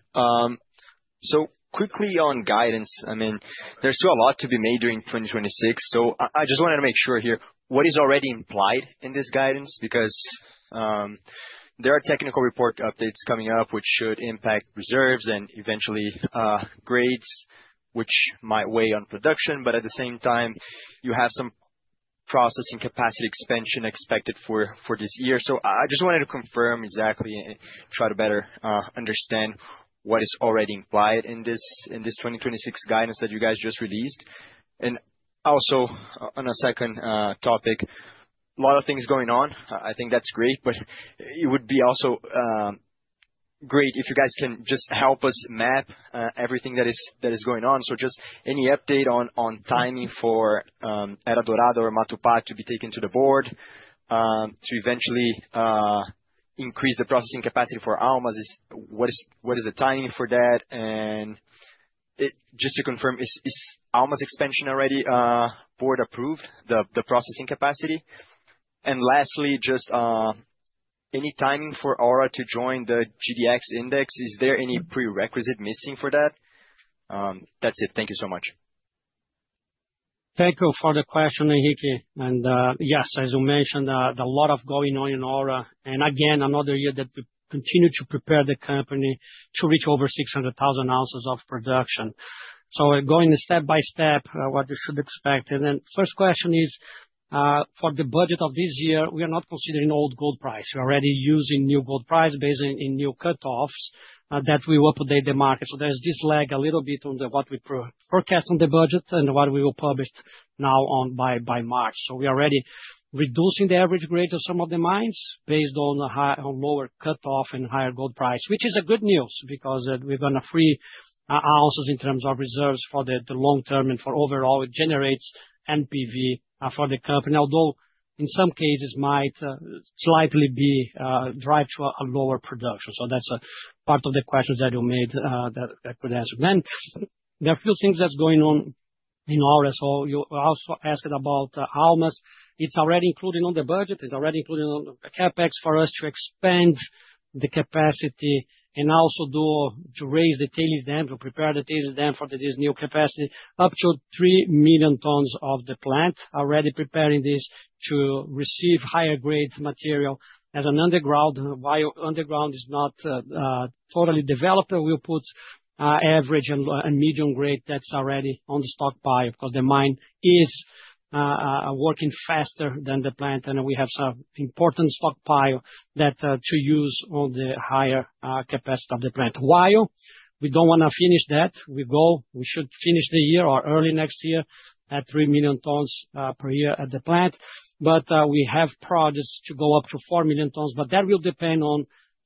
Quickly on guidance, I mean, there's still a lot to be made during 2026, I just wanted to make sure here, what is already implied in this guidance? Because there are technical report updates coming up which should impact reserves and eventually grades, which might weigh on production, but at the same time, you have some processing capacity expansion expected for this year. I just wanted to confirm exactly and try to better understand what is already implied in this, in this 2026 guidance that you guys just released. Also, on a second topic, a lot of things going on. I think that's great. It would be also great if you guys can just help us map everything that is going on. Just any update on timing for Era Dorada or Matupá to be taken to the board to eventually increase the processing capacity for Almas? What is the timing for that? Just to confirm, is Almas expansion already board approved, the processing capacity? Lastly, just any timing for Aura to join the GDX index? Is there any prerequisite missing for that? That's it. Thank you so much. Thank you for the question, Enrique. Yes, as you mentioned, a lot of going on in Aura, and again, another year that we continue to prepare the company to reach over 600,000 ounces of production. We're going step by step, what you should expect. First question is, for the budget of this year, we are not considering old gold price. We're already using new gold price based in new cutoffs that we will update the market. There's this lag a little bit on the, what we forecast on the budget and what we will publish now by March. We are already reducing the average grade of some of the mines based on the lower cut-off and higher gold price, which is a good news, because we're gonna free ounces in terms of reserves for the long term and for overall, it generates NPV for the company. Although, in some cases might slightly be drive to a lower production. That's a part of the question that you made, that, I could answer. There are a few things that's going on in Aura. You also asked about Almas. It's already included on the budget. It's already included on the CapEx for us to expand the capacity and also to raise the tailings dam, to prepare the tailings dam for this new capacity, up to 3 million tons of the plant, already preparing this to receive higher grade material. As an underground, while underground is not totally developed, we'll put average and medium grade that's already on the stockpile, because the mine is working faster than the plant. We have some important stockpile to use on the higher capacity of the plant. While we don't wanna finish that, we should finish the year or early next year at 3 million tons per year at the plant. We have projects to go up to 4 million tons. That will depend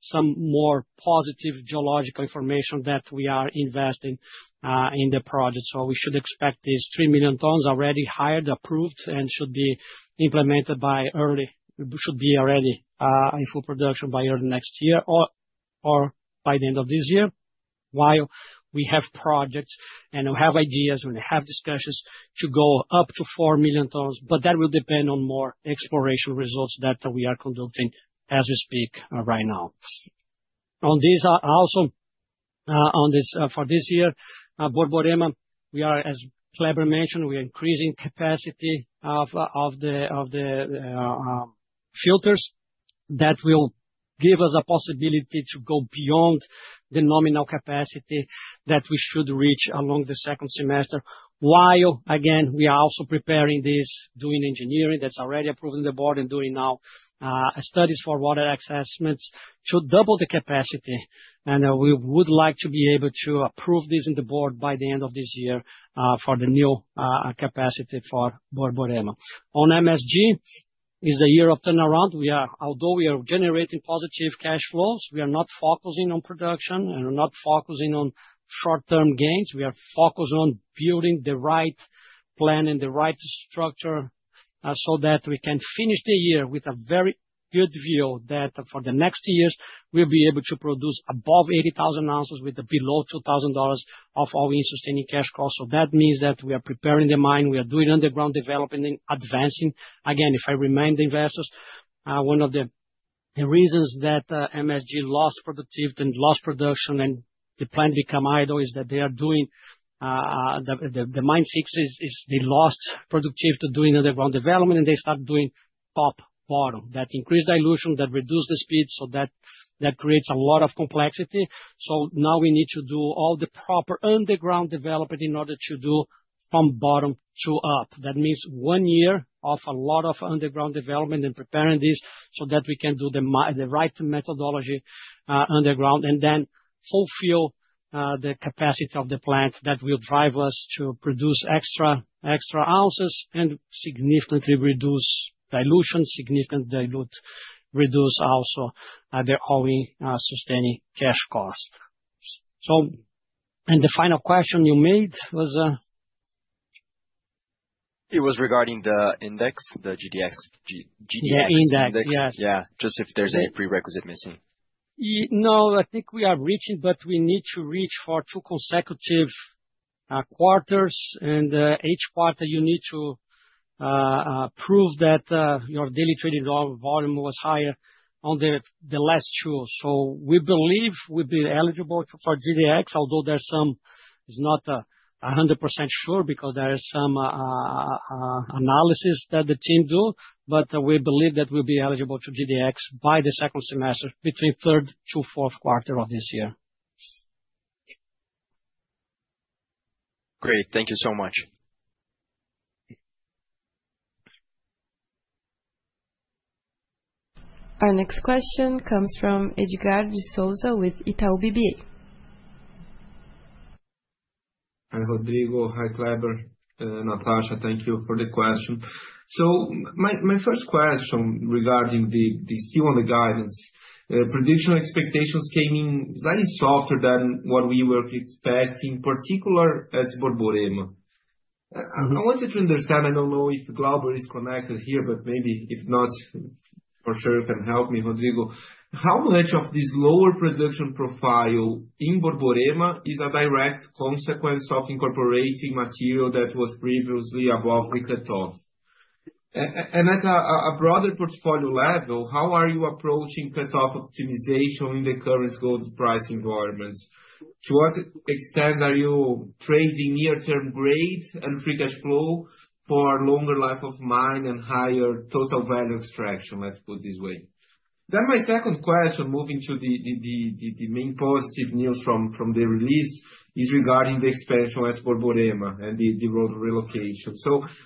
on some more positive geological information that we are investing in the project. We should expect these 3 million tons already hired, approved, and should be already in full production by early next year or by the end of this year, while we have projects and we have ideas, and we have discussions to go up to 4 million tons. That will depend on more exploration results that we are conducting as we speak right now. On this, also, on this, for this year, Borborema, we are, as Kleber mentioned, we are increasing capacity of the filters. That will give us a possibility to go beyond the nominal capacity that we should reach along the second semester, while, again, we are also preparing this, doing engineering that's already approved in the board and doing now studies for water assessments to double the capacity. We would like to be able to approve this in the board by the end of this year, for the new capacity for Borborema. On MSG, is a year of turnaround. Although we are generating positive cash flows, we are not focusing on production, and we're not focusing on short-term gains. We are focused on building the right plan and the right structure, so that we can finish the year with a very good view that for the next years, we'll be able to produce above 80,000 ounces with below $2,000 of our all-in sustaining cash costs. That means that we are preparing the mine, we are doing underground development and advancing. If I remind the investors, one of the reasons that MSG lost productivity and lost production and the plant become idle, is that they are doing the Mine 6 is they lost productivity doing underground development, and they start doing top bottom. That increased dilution, that reduced the speed. That creates a lot of complexity. Now we need to do all the proper underground development in order to do from bottom to up. That means one year of a lot of underground development and preparing this so that we can do the right methodology underground, and then fulfill the capacity of the plant that will drive us to produce extra ounces and significantly reduce dilution, reduce also the all-in sustaining cash cost. The final question you made was? It was regarding the index, the GDX index. Yeah, Index, yes. Yeah. Just if there's any prerequisite missing. No, I think we are reaching, but we need to reach for two consecutive quarters. Each quarter you need to prove that your daily trading volume was higher on the last two. We believe we've been eligible for GDX, although It's not 100% sure because there is some analysis that the team do, but we believe that we'll be eligible to GDX by the second semester, between third to fourth quarter of this year. Great. Thank you so much. Our next question comes from Edgard de Souza with Itaú BBA. Hi, Rodrigo. Hi, Kleber. Natasha, thank you for the question. My first question regarding the CEO on the guidance. Prediction expectations came in slightly softer than what we were expecting, particular at Borborema. I wanted to understand, I don't know if Kleber is connected here, but maybe if not, for sure, you can help me, Rodrigo. How much of this lower production profile in Borborema is a direct consequence of incorporating material that was previously above the cutoff? At a broader portfolio level, how are you approaching cutoff optimization in the current gold price environment? To what extent are you trading near-term grade and free cash flow for longer life of mine and higher total value extraction? Let's put it this way. My second question, moving to the main positive news from the release, is regarding the expansion at Borborema and the road relocation.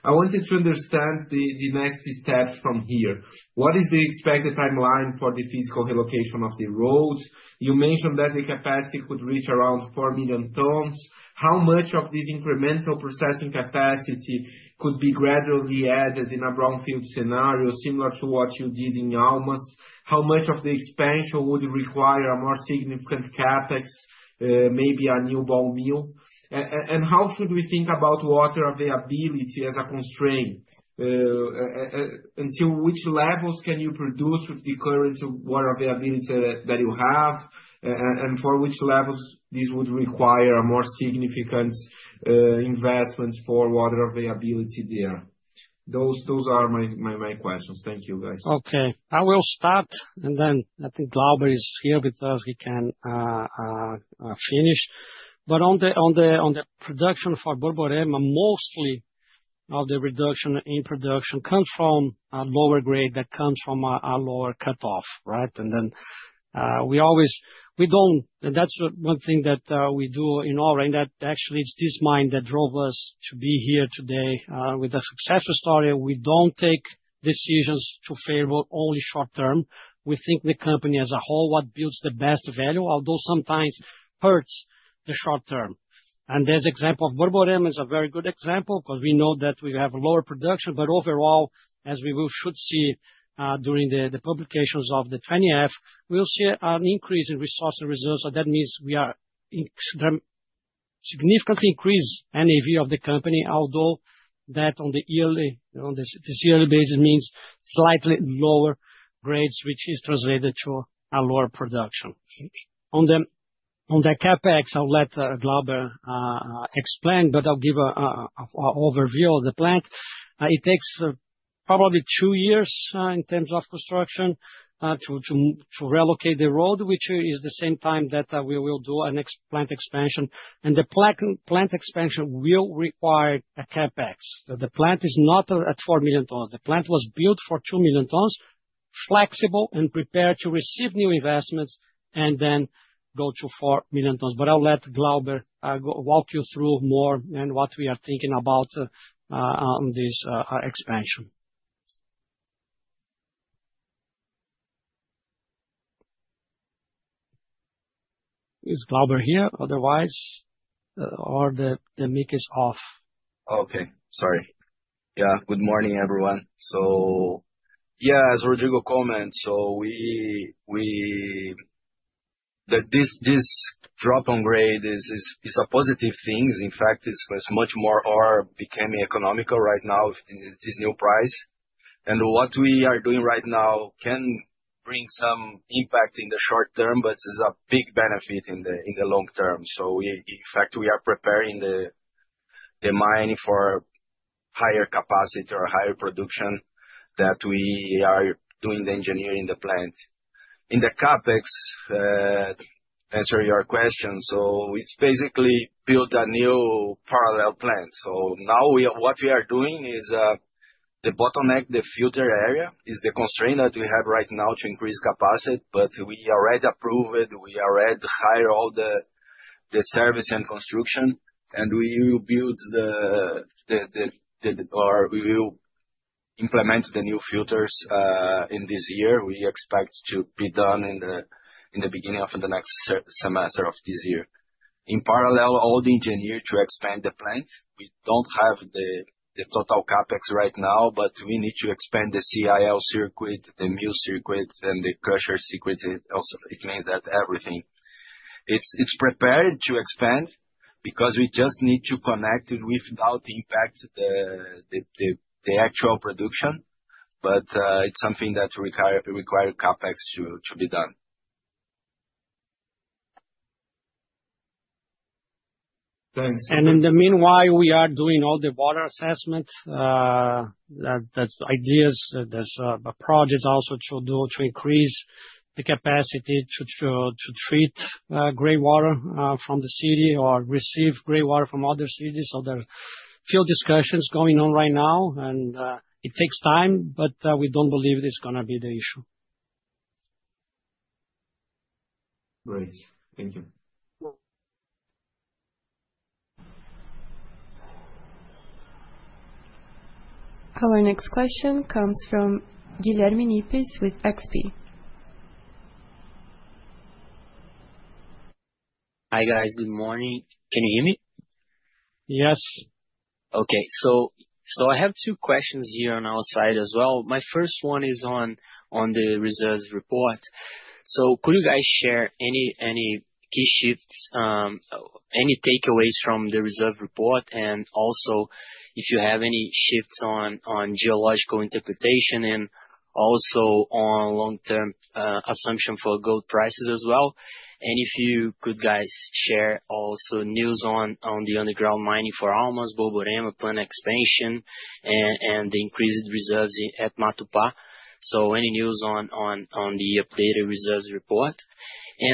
I wanted to understand the next step from here. What is the expected timeline for the physical relocation of the road? You mentioned that the capacity could reach around 4 million tons. How much of this incremental processing capacity could be gradually added in a brownfield scenario, similar to what you did in Almas? How much of the expansion would require a more significant CapEx, maybe a new ball mill? And how should we think about water availability as a constraint? And to which levels can you produce with the current water availability that you have, and for which levels this would require a more significant investments for water availability there? Those are my main questions. Thank you, guys. Okay, I will start, and then I think Kleber is here with us, he can finish. On the production for Borborema, mostly, the reduction in production comes from a lower grade that comes from a lower cutoff, right? That's one thing that we do in all, that actually, it's this mine that drove us to be here today, with a successful story. We don't take decisions to favor only short term. We think the company as a whole, what builds the best value, although sometimes hurts the short term. This example of Borborema is a very good example, because we know that we have lower production, but overall, as we will, should see, during the publications of the 20-F, we'll see an increase in resource and results. That means we are significantly increase NAV of the company, although that on the yearly, on this yearly basis, means slightly lower grades, which is translated to a lower production. On the CapEx, I'll let Kleber explain, but I'll give a overview of the plant. It takes probably two years in terms of construction to relocate the road, which is the same time that we will do our next plant expansion. The plant expansion will require a CapEx. The plant is not at 4 million tons. The plant was built for 2 million tons, flexible and prepared to receive new investments and then go to 4 million tons. I'll let Kleber walk you through more and what we are thinking about on this expansion. Is Kleber here, otherwise, or the mic is off? Okay. Sorry. Yeah. Good morning, everyone. Yeah, as Rodrigo comments, we, that this drop on grade is a positive things. In fact, it's much more are becoming economical right now with this new price. What we are doing right now can bring some impact in the short term, but this is a big benefit in the long term. We, in fact, we are preparing the mine for higher capacity or higher production, that we are doing the engineering the plant. In the CapEx, answer your question, it's basically build a new parallel plant. Now, what we are doing is, the bottleneck, the filter area, is the constraint that we have right now to increase capacity. We already approve it, we already hire all the service and construction, and we will build or we will implement the new filters in this year. We expect to be done in the beginning of the next semester of this year. In parallel, all the engineer to expand the plant, we don't have the total CapEx right now. We need to expand the CIL circuit, the mill circuit, and the crusher circuit also. It means that everything. It's prepared to expand, because we just need to connect it without impact the actual production. It's something that require CapEx to be done. Thanks. In the meanwhile, we are doing all the water assessments, there's ideas, there's a project also to do to increase the capacity to treat greywater from the city or receive greywater from other cities. There are few discussions going on right now, and it takes time, but we don't believe it's gonna be the issue. Great. Thank you. Our next question comes from Guilherme Cipis, with XP. Hi, guys. Good morning. Can you hear me? Yes. Okay. I have two questions here on our side as well. My first one is on the reserves report. Could you guys share any key shifts, any takeaways from the reserve report? Also, if you have any shifts on geological interpretation and also on long-term assumption for gold prices as well. If you could guys share also news on the underground mining for Almas, Borborema plan expansion, and the increased reserves at Matupá. Any news on the updated reserves report?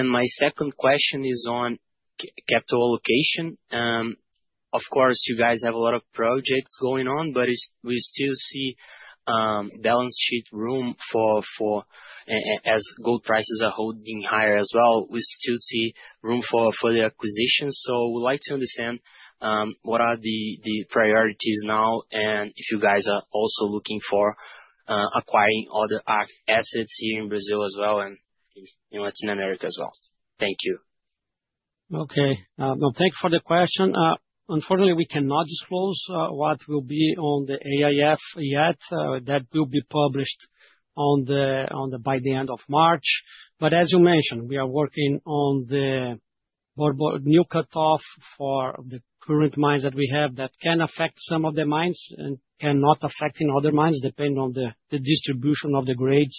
My second question is on capital allocation. Of course, you guys have a lot of projects going on, but we still see balance sheet room for, as gold prices are holding higher as well, we still see room for the acquisition. We'd like to understand, what are the priorities now, and if you guys are also looking for, acquiring other assets here in Brazil as well, and in Latin America as well. Thank you. Okay, well, thank you for the question. Unfortunately, we cannot disclose what will be on the AIF yet. That will be published by the end of March. As you mentioned, we are working on the Borborema new cut-off for the current mines that we have. That can affect some of the mines, and cannot affect in other mines, depending on the distribution of the grades,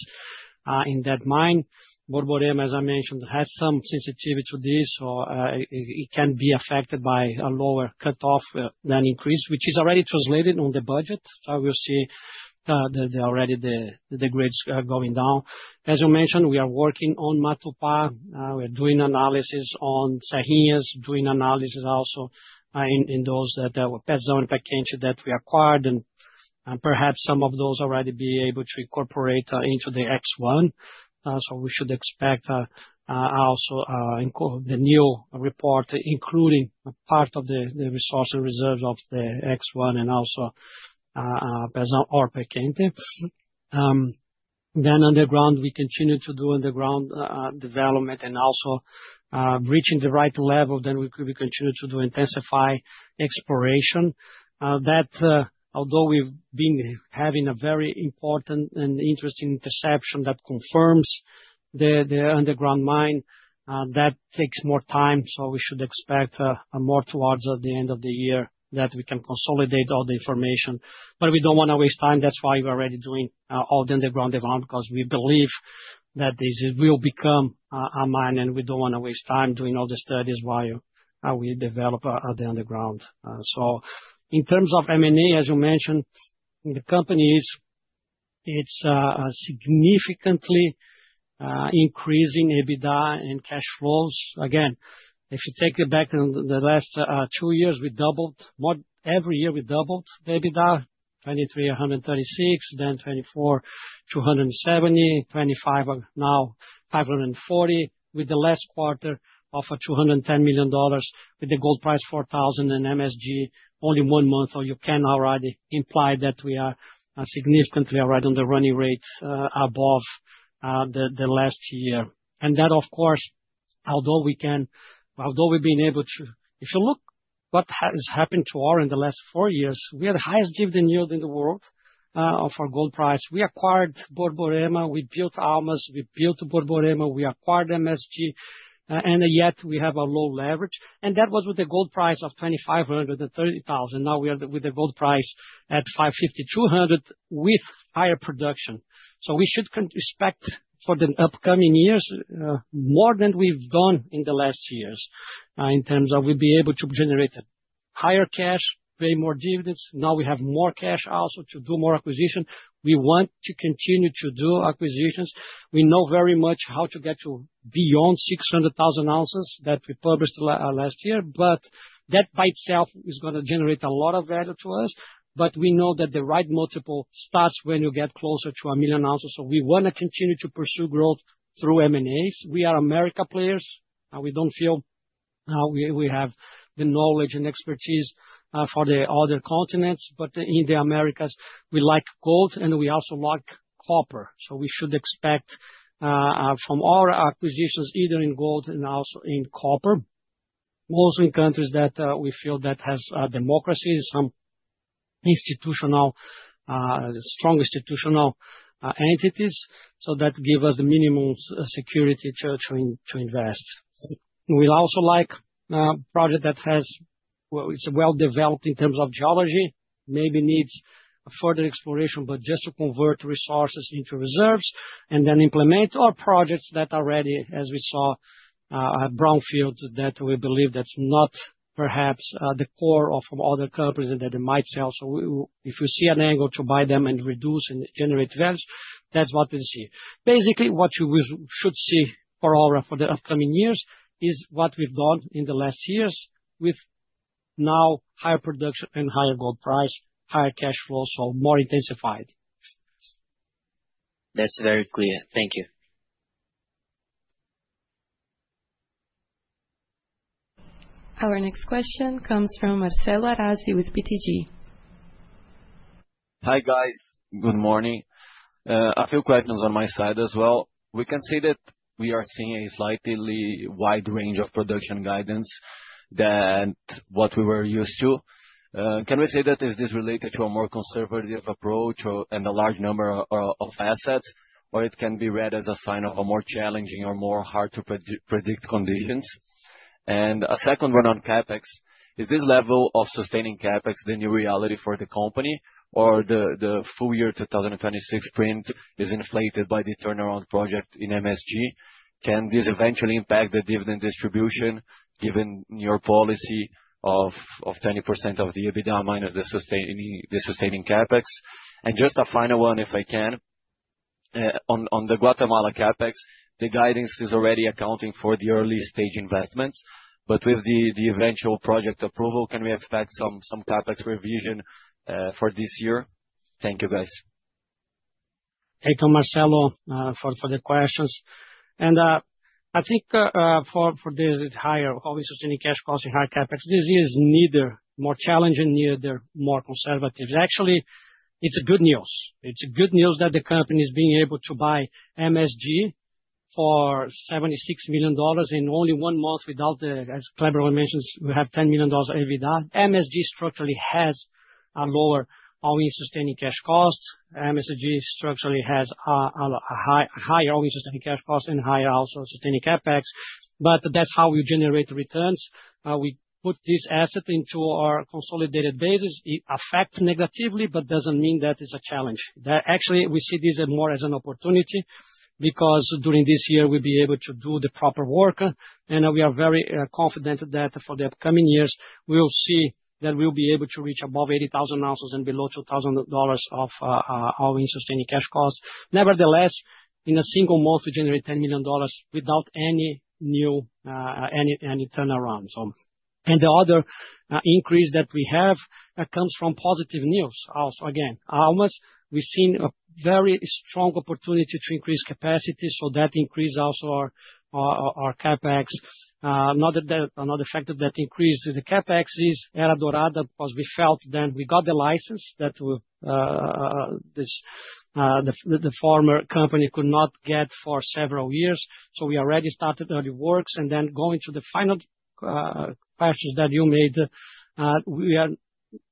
in that mine. Borborema, as I mentioned, has some sensitivity to this, so, it can be affected by a lower cut-off, than increase, which is already translated on the budget. We'll see, the already the grades, going down. As you mentioned, we are working on Matupá. We're doing analysis on Serrinhas, doing analysis also, in those that were Pezão and Pé Quente that we acquired, and perhaps some of those already be able to incorporate into the X1. We should expect also the new report, including a part of the resource and reserve of the X1 and also Pezão or Pé Quente. Underground, we continue to do underground development and also reaching the right level, we continue to intensify exploration. Although we've been having a very important and interesting interception that confirms the underground mine that takes more time, we should expect more towards the end of the year that we can consolidate all the information. We don't wanna waste time, that's why we're already doing all the underground development, because we believe that this will become a mine, and we don't wanna waste time doing all the studies while we develop the underground. In terms of M&A, as you mentioned, the company. It's a significantly increasing EBITDA and cash flows. If you take it back in the last two years, we doubled, what, every year we doubled the EBITDA, 2023 $136 million, then 2024, $270 million, 2025, now $540 million, with the last quarter of $210 million, with the gold price $4,000 in MSG, only one month, so you can already imply that we are significantly right on the running rate above the last year. That of course, although we've been able to. If you look what has happened to our in the last four years, we have the highest dividend yield in the world of our gold price. We acquired Borborema, we built Almas, we built Borborema, we acquired MSG, and yet we have a low leverage. That was with the gold price of $2,500 and $30,000. Now with the gold price at $5,200 with higher production. We should expect for the upcoming years, more than we've done in the last years, in terms of we'll be able to generate higher cash, pay more dividends. Now we have more cash also to do more acquisition. We want to continue to do acquisitions. We know very much how to get to beyond 600,000 ounces that we published last year, that by itself is gonna generate a lot of value to us. We know that the right multiple starts when you get closer to 1 million ounces. We wanna continue to pursue growth through M&As. We are America players, we don't feel we have the knowledge and expertise for the other continents, in the Americas, we like gold, we also like copper. We should expect from our acquisitions, either in gold also in copper, also in countries that we feel that has democracy, some institutional, strong institutional entities, that give us the minimum security to invest. We also like project that has, well, it's well developed in terms of geology, maybe needs further exploration, but just to convert resources into reserves, and then implement our projects that are ready, as we saw at brownfield, that we believe that's not perhaps the core of other companies and that they might sell. If we see an angle to buy them and reduce and generate value, that's what we see. Basically, what you should see for all, for the upcoming years is what we've done in the last years, with now higher production and higher gold price, higher cash flow, so more intensified. That's very clear. Thank you. Our next question comes from Marcelo Arazi with BTG. Hi, guys. Good morning. A few questions on my side as well. We can see that we are seeing a slightly wide range of production guidance than what we were used to. Can we say that is this related to a more conservative approach or, and a large number of assets, or it can be read as a sign of a more challenging or more hard to predict conditions? A second one on CapEx: Is this level of sustaining CapEx the new reality for the company, or the full year 2026 print is inflated by the turnaround project in MSG? Can this eventually impact the dividend distribution, given your policy of 20% of the EBITDA minus the sustaining CapEx? Just a final one, if I can, on the Guatemala CapEx, the guidance is already accounting for the early-stage investments, but with the eventual project approval, can we expect some CapEx revision for this year? Thank you, guys. Thank you, Marcelo, for the questions. I think, for this higher, obviously, sustaining cash costs and high CapEx, this is neither more challenging, neither more conservative. Actually, it's a good news. It's good news that the company is being able to buy MSG for $76 million in only one month without, as Kleber mentions, we have $10 million EBITDA. MSG structurally has a lower all-in sustaining cash costs. MSG structurally has a higher all-in sustaining cash costs and higher also sustaining CapEx, but that's how we generate returns. We put this asset into our consolidated basis. It affects negatively, but doesn't mean that it's a challenge. That actually, we see this as more as an opportunity, because during this year, we'll be able to do the proper work, we are very confident that for the upcoming years, we will see that we'll be able to reach above 80,000 ounces and below $2,000 of our all-in sustaining cash costs. Nevertheless, in a single month, we generate $10 million without any new, any turnaround, so. The other increase that we have, that comes from positive news, also again. Almas, we've seen a very strong opportunity to increase capacity, so that increase also our CapEx. Another factor that increased the CapEx is Era Dorada, because we felt then we got the license that this, the former company could not get for several years. We already started early works. Going to the final questions that you made,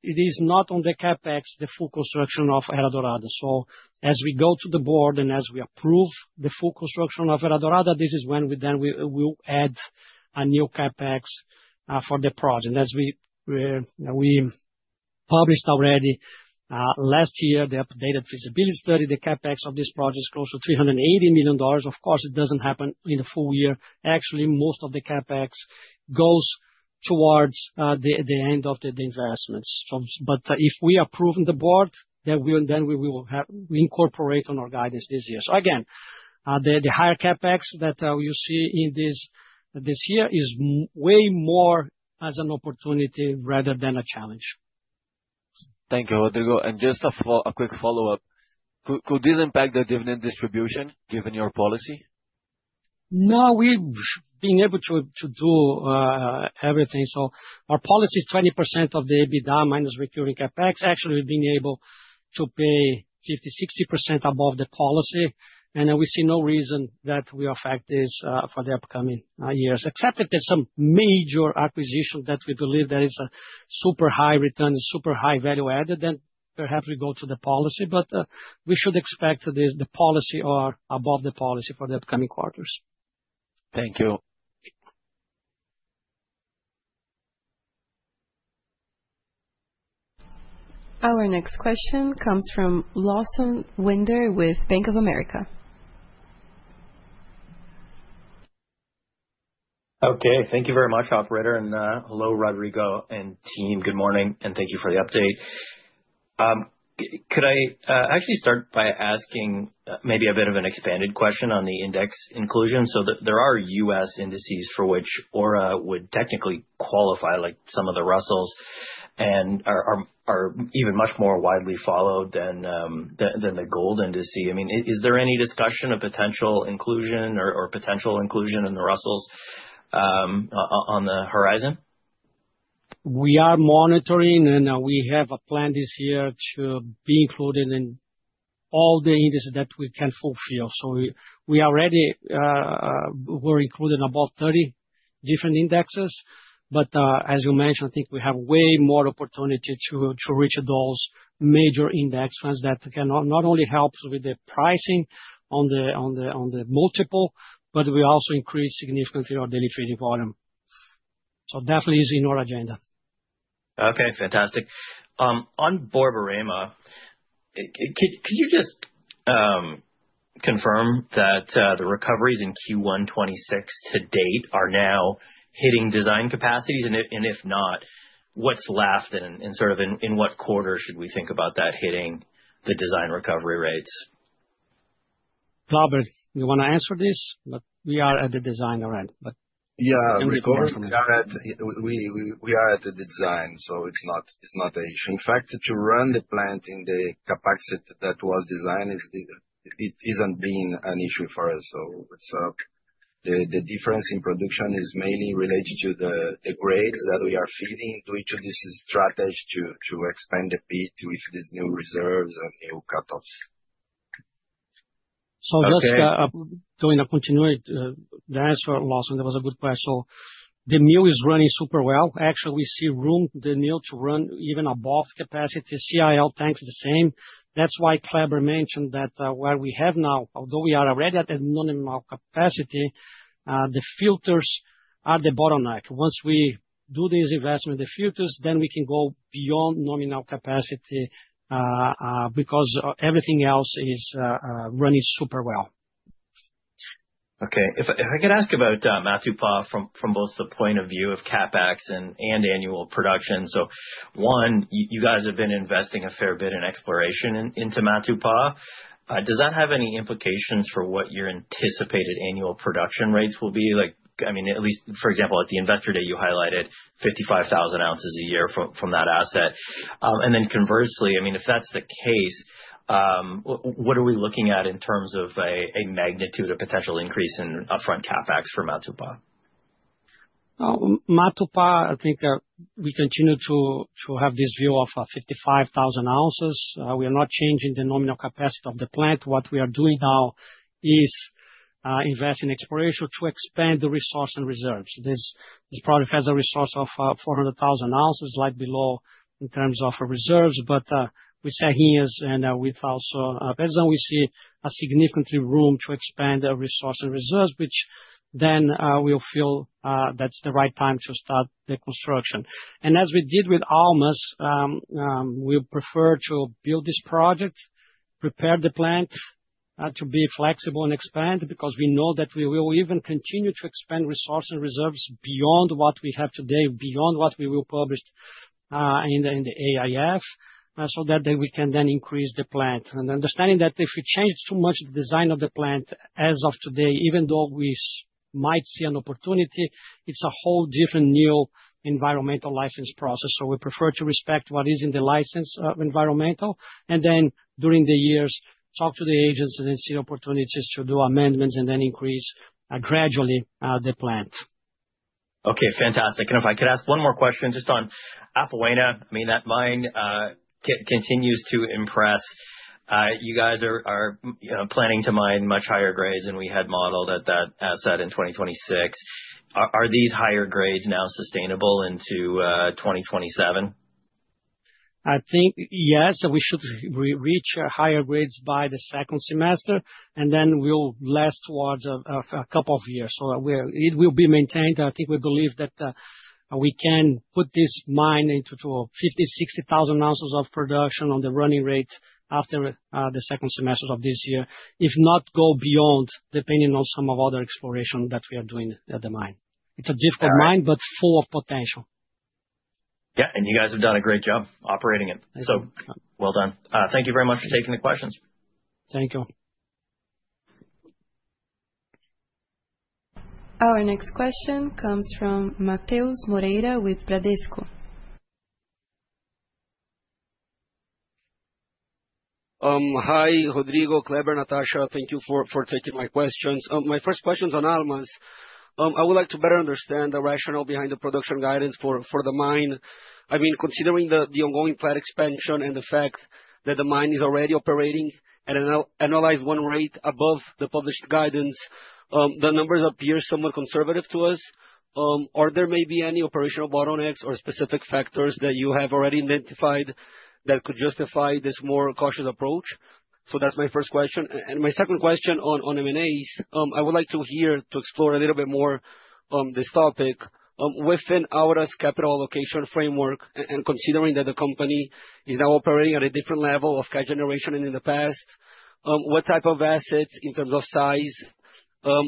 it is not on the CapEx, the full construction of Era Dorada. As we go to the board and as we approve the full construction of Era Dorada, this is when we then we'll add a new CapEx for the project. As we published already, last year, the updated feasibility study, the CapEx of this project is close to $380 million. Of course, it doesn't happen in a full year. Actually, most of the CapEx goes towards the end of the investments. If we approve in the board, then we will incorporate on our guidance this year. Again, the higher CapEx that you see in this year is way more as an opportunity rather than a challenge. Thank you, Rodrigo. Just a quick follow-up. Could this impact the dividend distribution, given your policy? We've been able to do everything. Our policy is 20% of the EBITDA minus recurring CapEx. Actually, we've been able to pay 50%-60% above the policy, we see no reason that will affect this for the upcoming years. Except that there's some major acquisition that we believe that is a super high return, super high value added, perhaps we go to the policy. We should expect the policy or above the policy for the upcoming quarters. Thank you. Our next question comes from Lawson Winder with Bank of America. Okay, thank you very much, operator. Hello, Rodrigo and team. Good morning, and thank you for the update. Could I actually start by asking maybe a bit of an expanded question on the index inclusion? There are US indices for which Aura would technically qualify, like some of the Russell, and are even much more widely followed than the Gold Index. I mean, is there any discussion of potential inclusion or potential inclusion in the Russell on the horizon? We are monitoring, and we have a plan this year to be included in all the indices that we can fulfill. We already, we're included in about 30 different indexes. As you mentioned, I think we have way more opportunity to reach those major index funds that can not only helps with the pricing on the multiple, but we also increase significantly our delivery volume. Definitely is in our agenda. Okay, fantastic. On Borborema, could you just confirm that the recoveries in Q1 2026 to date are now hitting design capacities? If not, what's left and sort of in what quarter should we think about that hitting the design recovery rates? Kleber, you wanna answer this? We are at the design already. Yeah, we are at the design, it's not a issue. In fact, to run the plant in the capacity that was designed it isn't being an issue for us. The difference in production is mainly related to the grades that we are feeding, which is the strategy to expand a bit with these new reserves and new cutoffs. Just to in a continue the answer, Lawson, that was a good question. The mill is running super well. Actually, we see room, the mill to run even above capacity. CIL, thanks the same. That's why Kleber mentioned that where we have now, although we are already at a nominal capacity, the filters are the bottleneck. Once we do this investment, the filters, then we can go beyond nominal capacity because everything else is running super well. Okay. If I could ask about Matupá from both the point of view of CapEx and annual production. One, you guys have been investing a fair bit in exploration into Matupá. Does that have any implications for what your anticipated annual production rates will be? Like, I mean, at least for example, at the investor day, you highlighted 55,000 ounces a year from that asset. Conversely, I mean, if that's the case, what are we looking at in terms of a magnitude or potential increase in upfront CapEx for Matupá? Matupá, I think, we continue to have this view of 55,000 ounces. We are not changing the nominal capacity of the plant. What we are doing now is invest in exploration to expand the resource and reserves. This product has a resource of 400,000 ounces, slight below in terms of reserves, but we say here and with also our person, we see a significantly room to expand our resource and reserves, which then, we'll feel, that's the right time to start the construction. As we did with Almas, we prefer to build this project, prepare the plant, to be flexible and expand, because we know that we will even continue to expand resource and reserves beyond what we have today, beyond what we will publish in the AIF, so that then we can then increase the plant. Understanding that if we change too much the design of the plant as of today, even though we might see an opportunity, it's a whole different new environmental license process. We prefer to respect what is in the license environmental, and then during the years, talk to the agents and then see opportunities to do amendments and then increase gradually the plant. Okay, fantastic. If I could ask one more question, just on Apoena. I mean, that mine continues to impress. You guys are, you know, planning to mine much higher grades than we had modeled at that asset in 2026. Are these higher grades now sustainable into, 2027? I think, yes, we should reach higher grades by the second semester, and then will last towards a couple of years. It will be maintained. I think we believe that we can put this mine into 50,000 ounces - 60,000 ounces of production on the running rate after the second semester of this year. If not go beyond, depending on some of other exploration that we are doing at the mine. It's a difficult mine. All right. Full of potential. Yeah, you guys have done a great job operating it. Thank you. Well done. Thank you very much for taking the questions. Thank you. Our next question comes from Matheus Moreira with Bradesco. Hi, Rodrigo, Kleber, Natasha, thank you for taking my questions. My first question is on Almas. I would like to better understand the rationale behind the production guidance for the mine. I mean, considering the ongoing plant expansion and the fact that the mine is already operating at an annualized one rate above the published guidance, the numbers appear somewhat conservative to us. Are there maybe any operational bottlenecks or specific factors that you have already identified that could justify this more cautious approach? That's my first question. My second question on M&As, I would like to explore a little bit more on this topic. Within our capital allocation framework, and considering that the company is now operating at a different level of cash generation than in the past, what type of assets, in terms of size,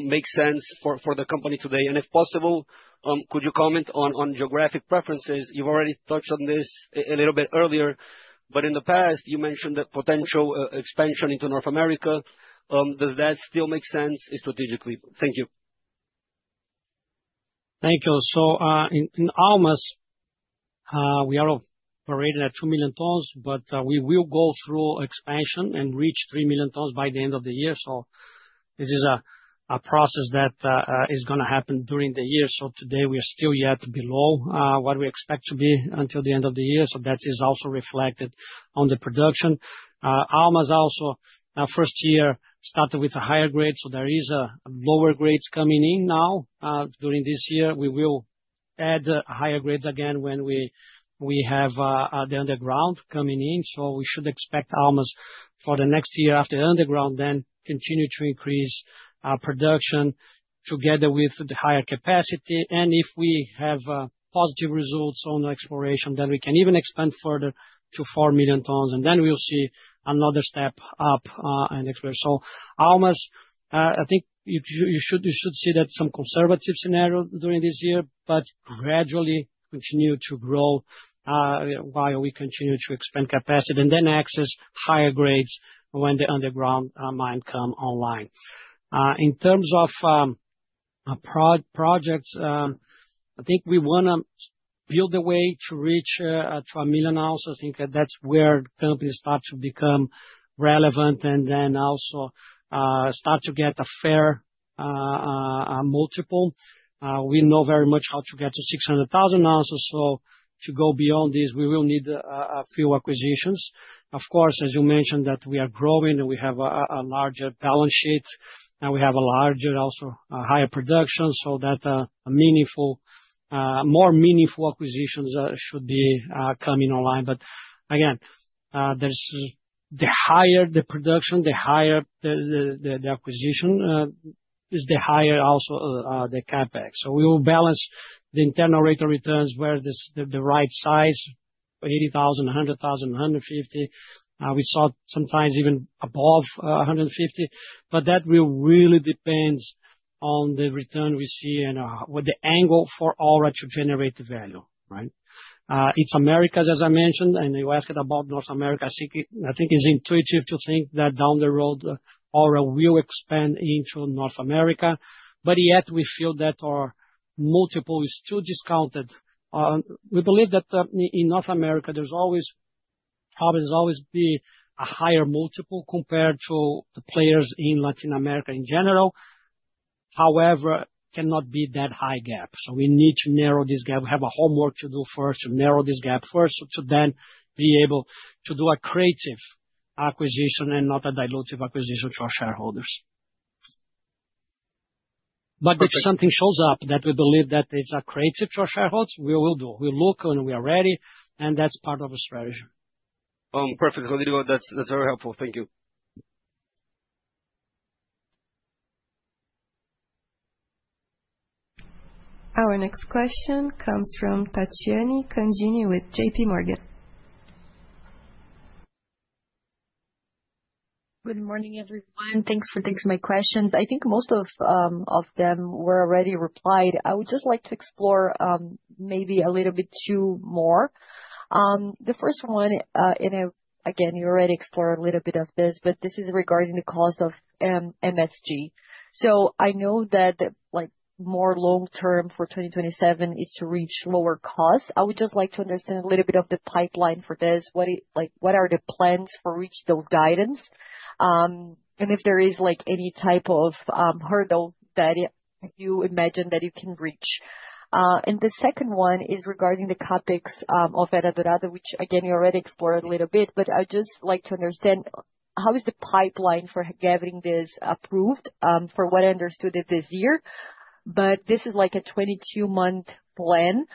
makes sense for the company today? If possible, could you comment on geographic preferences? You've already touched on this a little bit earlier, but in the past, you mentioned that potential expansion into North America. Does that still make sense strategically? Thank you. Thank you. In Almas, we are operating at 2 million tons, we will go through expansion and reach 3 million tons by the end of the year. This is a process that is gonna happen during the year. Today we are still yet below what we expect to be until the end of the year. That is also reflected on the production. Almas also, first year started with a higher grade, there is lower grades coming in now. During this year, we will add higher grades again when we have the underground coming in. We should expect Almas for the next year after underground, continue to increase production together with the higher capacity. If we have positive results on the exploration, then we can even expand further to 4 million tons, and then we'll see another step up in exploration. Almas, I think you should see that some conservative scenario during this year, but gradually continue to grow while we continue to expand capacity, and then access higher grades when the underground mine come online. In terms of projects, I think we wanna build the way to reach 2 million ounces. I think that's where companies start to become relevant and then also start to get a fair multiple. We know very much how to get to 600,000 ounces, so to go beyond this, we will need a few acquisitions. Of course, as you mentioned, that we are growing, and we have a larger balance sheet, and we have a larger, also, a higher production, so that a meaningful, more meaningful acquisitions should be coming online. Again, there's the higher the production, the higher the acquisition, is the higher also the CapEx. We will balance the internal rate of returns where the right size, 80,000, 100,000, 150. We saw sometimes even above 150, but that will really depends on the return we see and what the angle for Aura to generate the value, right? It's Americas, as I mentioned, and you asked about North America. I think it's intuitive to think that down the road, Aura will expand into North America, but yet we feel that our multiple is too discounted. We believe that in North America, there's always, probably there's always be a higher multiple compared to the players in Latin America in general. However, cannot be that high gap. We need to narrow this gap. We have a homework to do first, to narrow this gap first, to then be able to do a creative acquisition and not a dilutive acquisition for our shareholders. Perfect. If something shows up that we believe that it's creative for shareholders, we will do. We look, and we are ready, and that's part of the strategy. Perfect, Rodrigo. That's very helpful. Thank you. Our next question comes from Tathiane Candini with JPMorgan. Good morning, everyone. Thanks for taking my questions. I think most of them were already replied. I would just like to explore maybe a little bit two more. The first one, again, you already explored a little bit of this is regarding the cost of MSG. I know that, like, more long term for 2027 is to reach lower costs. I would just like to understand a little bit of the pipeline for this. Like, what are the plans for reach those guidance? If there is, like, any type of hurdle that you imagine that you can reach. The second one is regarding the CapEx of Era Dorada, which again, you already explored a little bit, but I'd just like to understand, how is the pipeline for gathering this approved, for what I understood it this year? This is like a 22-month plan.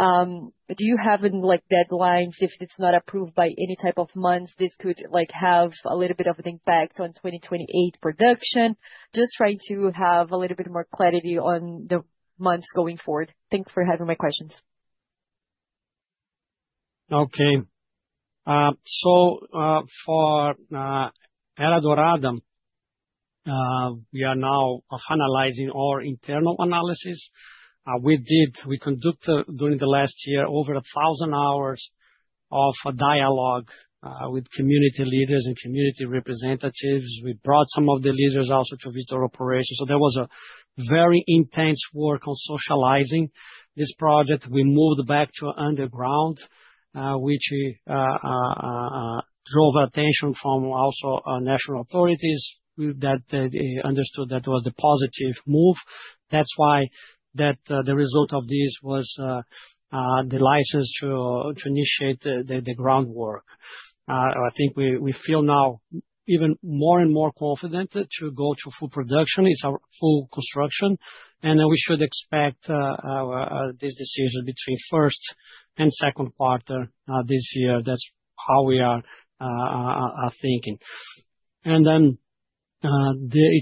Do you have any, like, deadlines, if it's not approved by any type of months, this could, like, have a little bit of an impact on 2028 production? Just trying to have a little bit more clarity on the months going forward. Thanks for having my questions. For Era Dorada, we are now analyzing our internal analysis. We conduct, during the last year, over 1,000 hours of dialogue with community leaders and community representatives. We brought some of the leaders also to visit our operations. There was a very intense work on socializing this project. We moved back to underground, which drew attention from also national authorities, with that, they understood that was a positive move. That's why that the result of this was the license to initiate the groundwork. I think we feel now even more and more confident to go to full production. It's our full construction, we should expect this decision between first and second quarter this year. That's how we are thinking. It's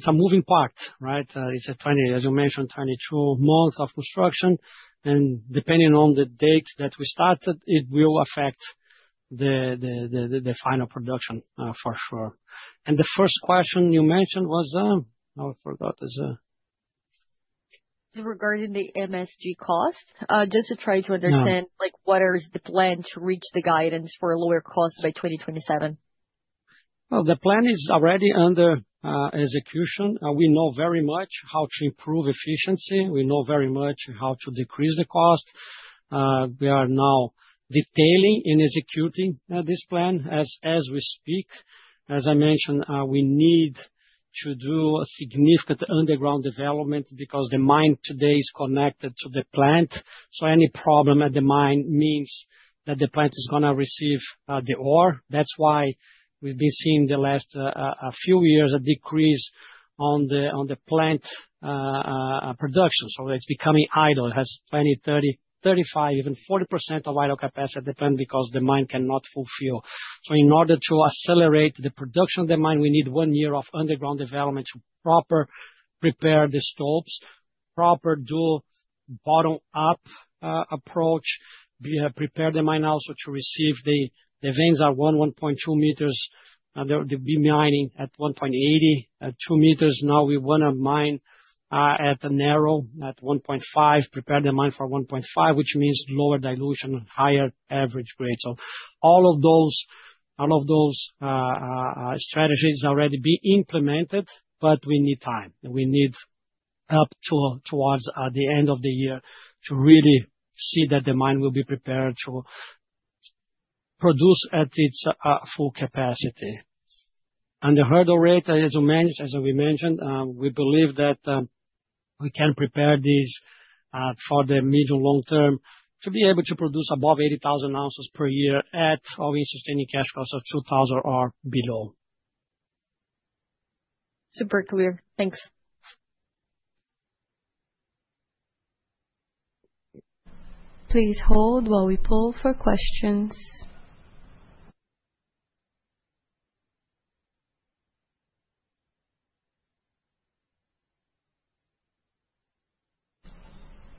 a moving part, right? It's, as you mentioned, 22 months of construction, and depending on the dates that we started, it will affect the final production, for sure. The first question you mentioned was, I forgot, is. Regarding the MSG cost. Yeah. like, what is the plan to reach the guidance for a lower cost by 2027? Well, the plan is already under execution. We know very much how to improve efficiency. We know very much how to decrease the cost. We are now detailing and executing this plan as we speak. As I mentioned, we need to do a significant underground development because the mine today is connected to the plant, any problem at the mine means that the plant is gonna receive the ore. That's why we've been seeing the last a few years, a decrease on the plant production. It's becoming idle. It has 20%, 30%, 35%, even 40% of idle capacity at the plant because the mine cannot fulfill. In order to accelerate the production of the mine, we need one year of underground development to proper prepare the stopes, proper do bottom-up approach. We have prepared the mine also to receive the veins are 1.2 m and they'll be mining at 1.80 m. At 2 m now, we wanna mine at the narrow, at 1.5 m, prepare the mine for 1.5 m, which means lower dilution, higher average grade. All of those strategies already being implemented, but we need time. We need towards the end of the year to really see that the mine will be prepared to produce at its full capacity. The hurdle rate, as you mentioned, as we mentioned, we believe that we can prepare this for the medium long term to be able to produce above 80,000 ounces per year at, obviously, sustaining cash costs of $2,000 or below. Super clear. Thanks. Please hold while we pull for questions.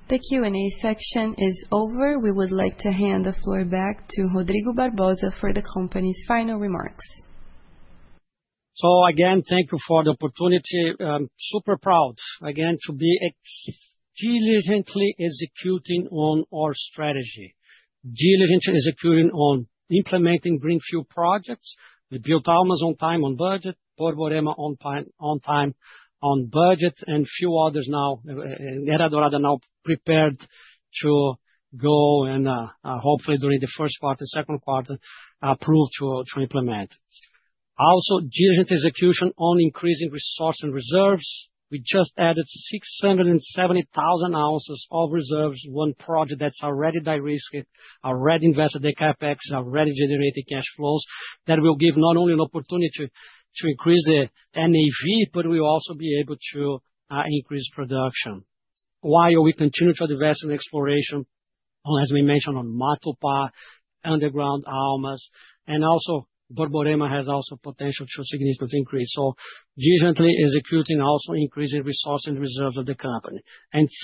The Q&A section is over. We would like to hand the floor back to Rodrigo Barbosa for the company's final remarks. Again, thank you for the opportunity. I'm super proud, again, to be diligently executing on our strategy. Diligently executing on implementing greenfield projects. We built Almas on time, on budget, Borborema on time, on budget, and few others now, and Era Dorada now prepared to go and hopefully during the first quarter, second quarter, approve to implement. Also, diligent execution on increasing resource and reserves. We just added 670,000 ounces of reserves, one project that's already de-risked, already invested the CapEx, already generating cash flows, that will give not only an opportunity to increase the NAV, but we'll also be able to increase production. While we continue to invest in exploration, as we mentioned, on Matupá, underground Almas, and also Borborema has also potential to significant increase. Diligently executing, also increasing resource and reserve of the company.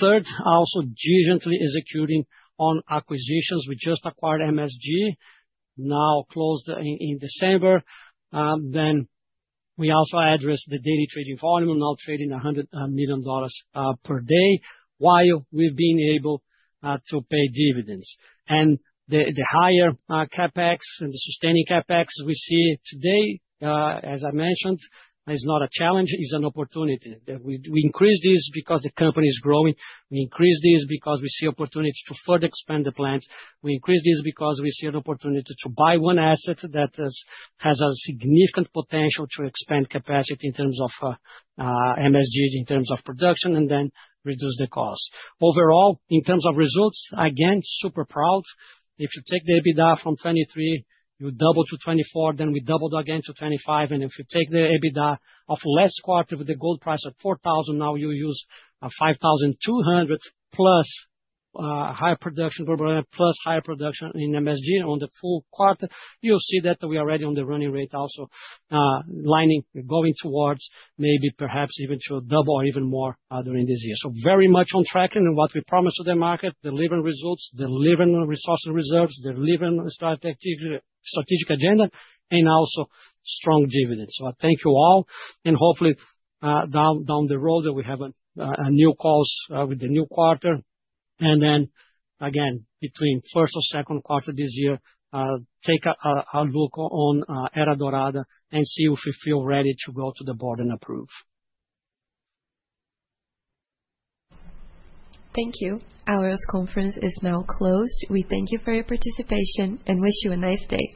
Third, also diligently executing on acquisitions. We just acquired MSG, now closed in December. We also addressed the daily trading volume, now trading $100 million per day, while we've been able to pay dividends. The higher CapEx and the sustaining CapEx we see today, as I mentioned, is not a challenge, it's an opportunity. We increased this because the company is growing. We increased this because we see opportunities to further expand the plants. We increased this because we see an opportunity to buy one asset that has a significant potential to expand capacity in terms of MSG, in terms of production, and then reduce the cost. Overall, in terms of results, again, super proud. If you take the EBITDA from 2023, you double to 2024. We doubled again to 2025. If you take the EBITDA of last quarter with the gold price at $4,000, now you use $5,200 plus higher production, plus higher production in MSG on the full quarter, you'll see that we are already on the running rate also, going towards maybe perhaps even to double or even more during this year. Very much on track in what we promised to the market, delivering results, delivering resource and reserves, delivering strategic agenda, and also strong dividends. I thank you all. Hopefully, down the road, we have a new calls with the new quarter. Again, between first or second quarter this year, take a look on Era Dorada, and see if we feel ready to go to the Board and approve. Thank you. Our conference is now closed. We thank you for your participation and wish you a nice day.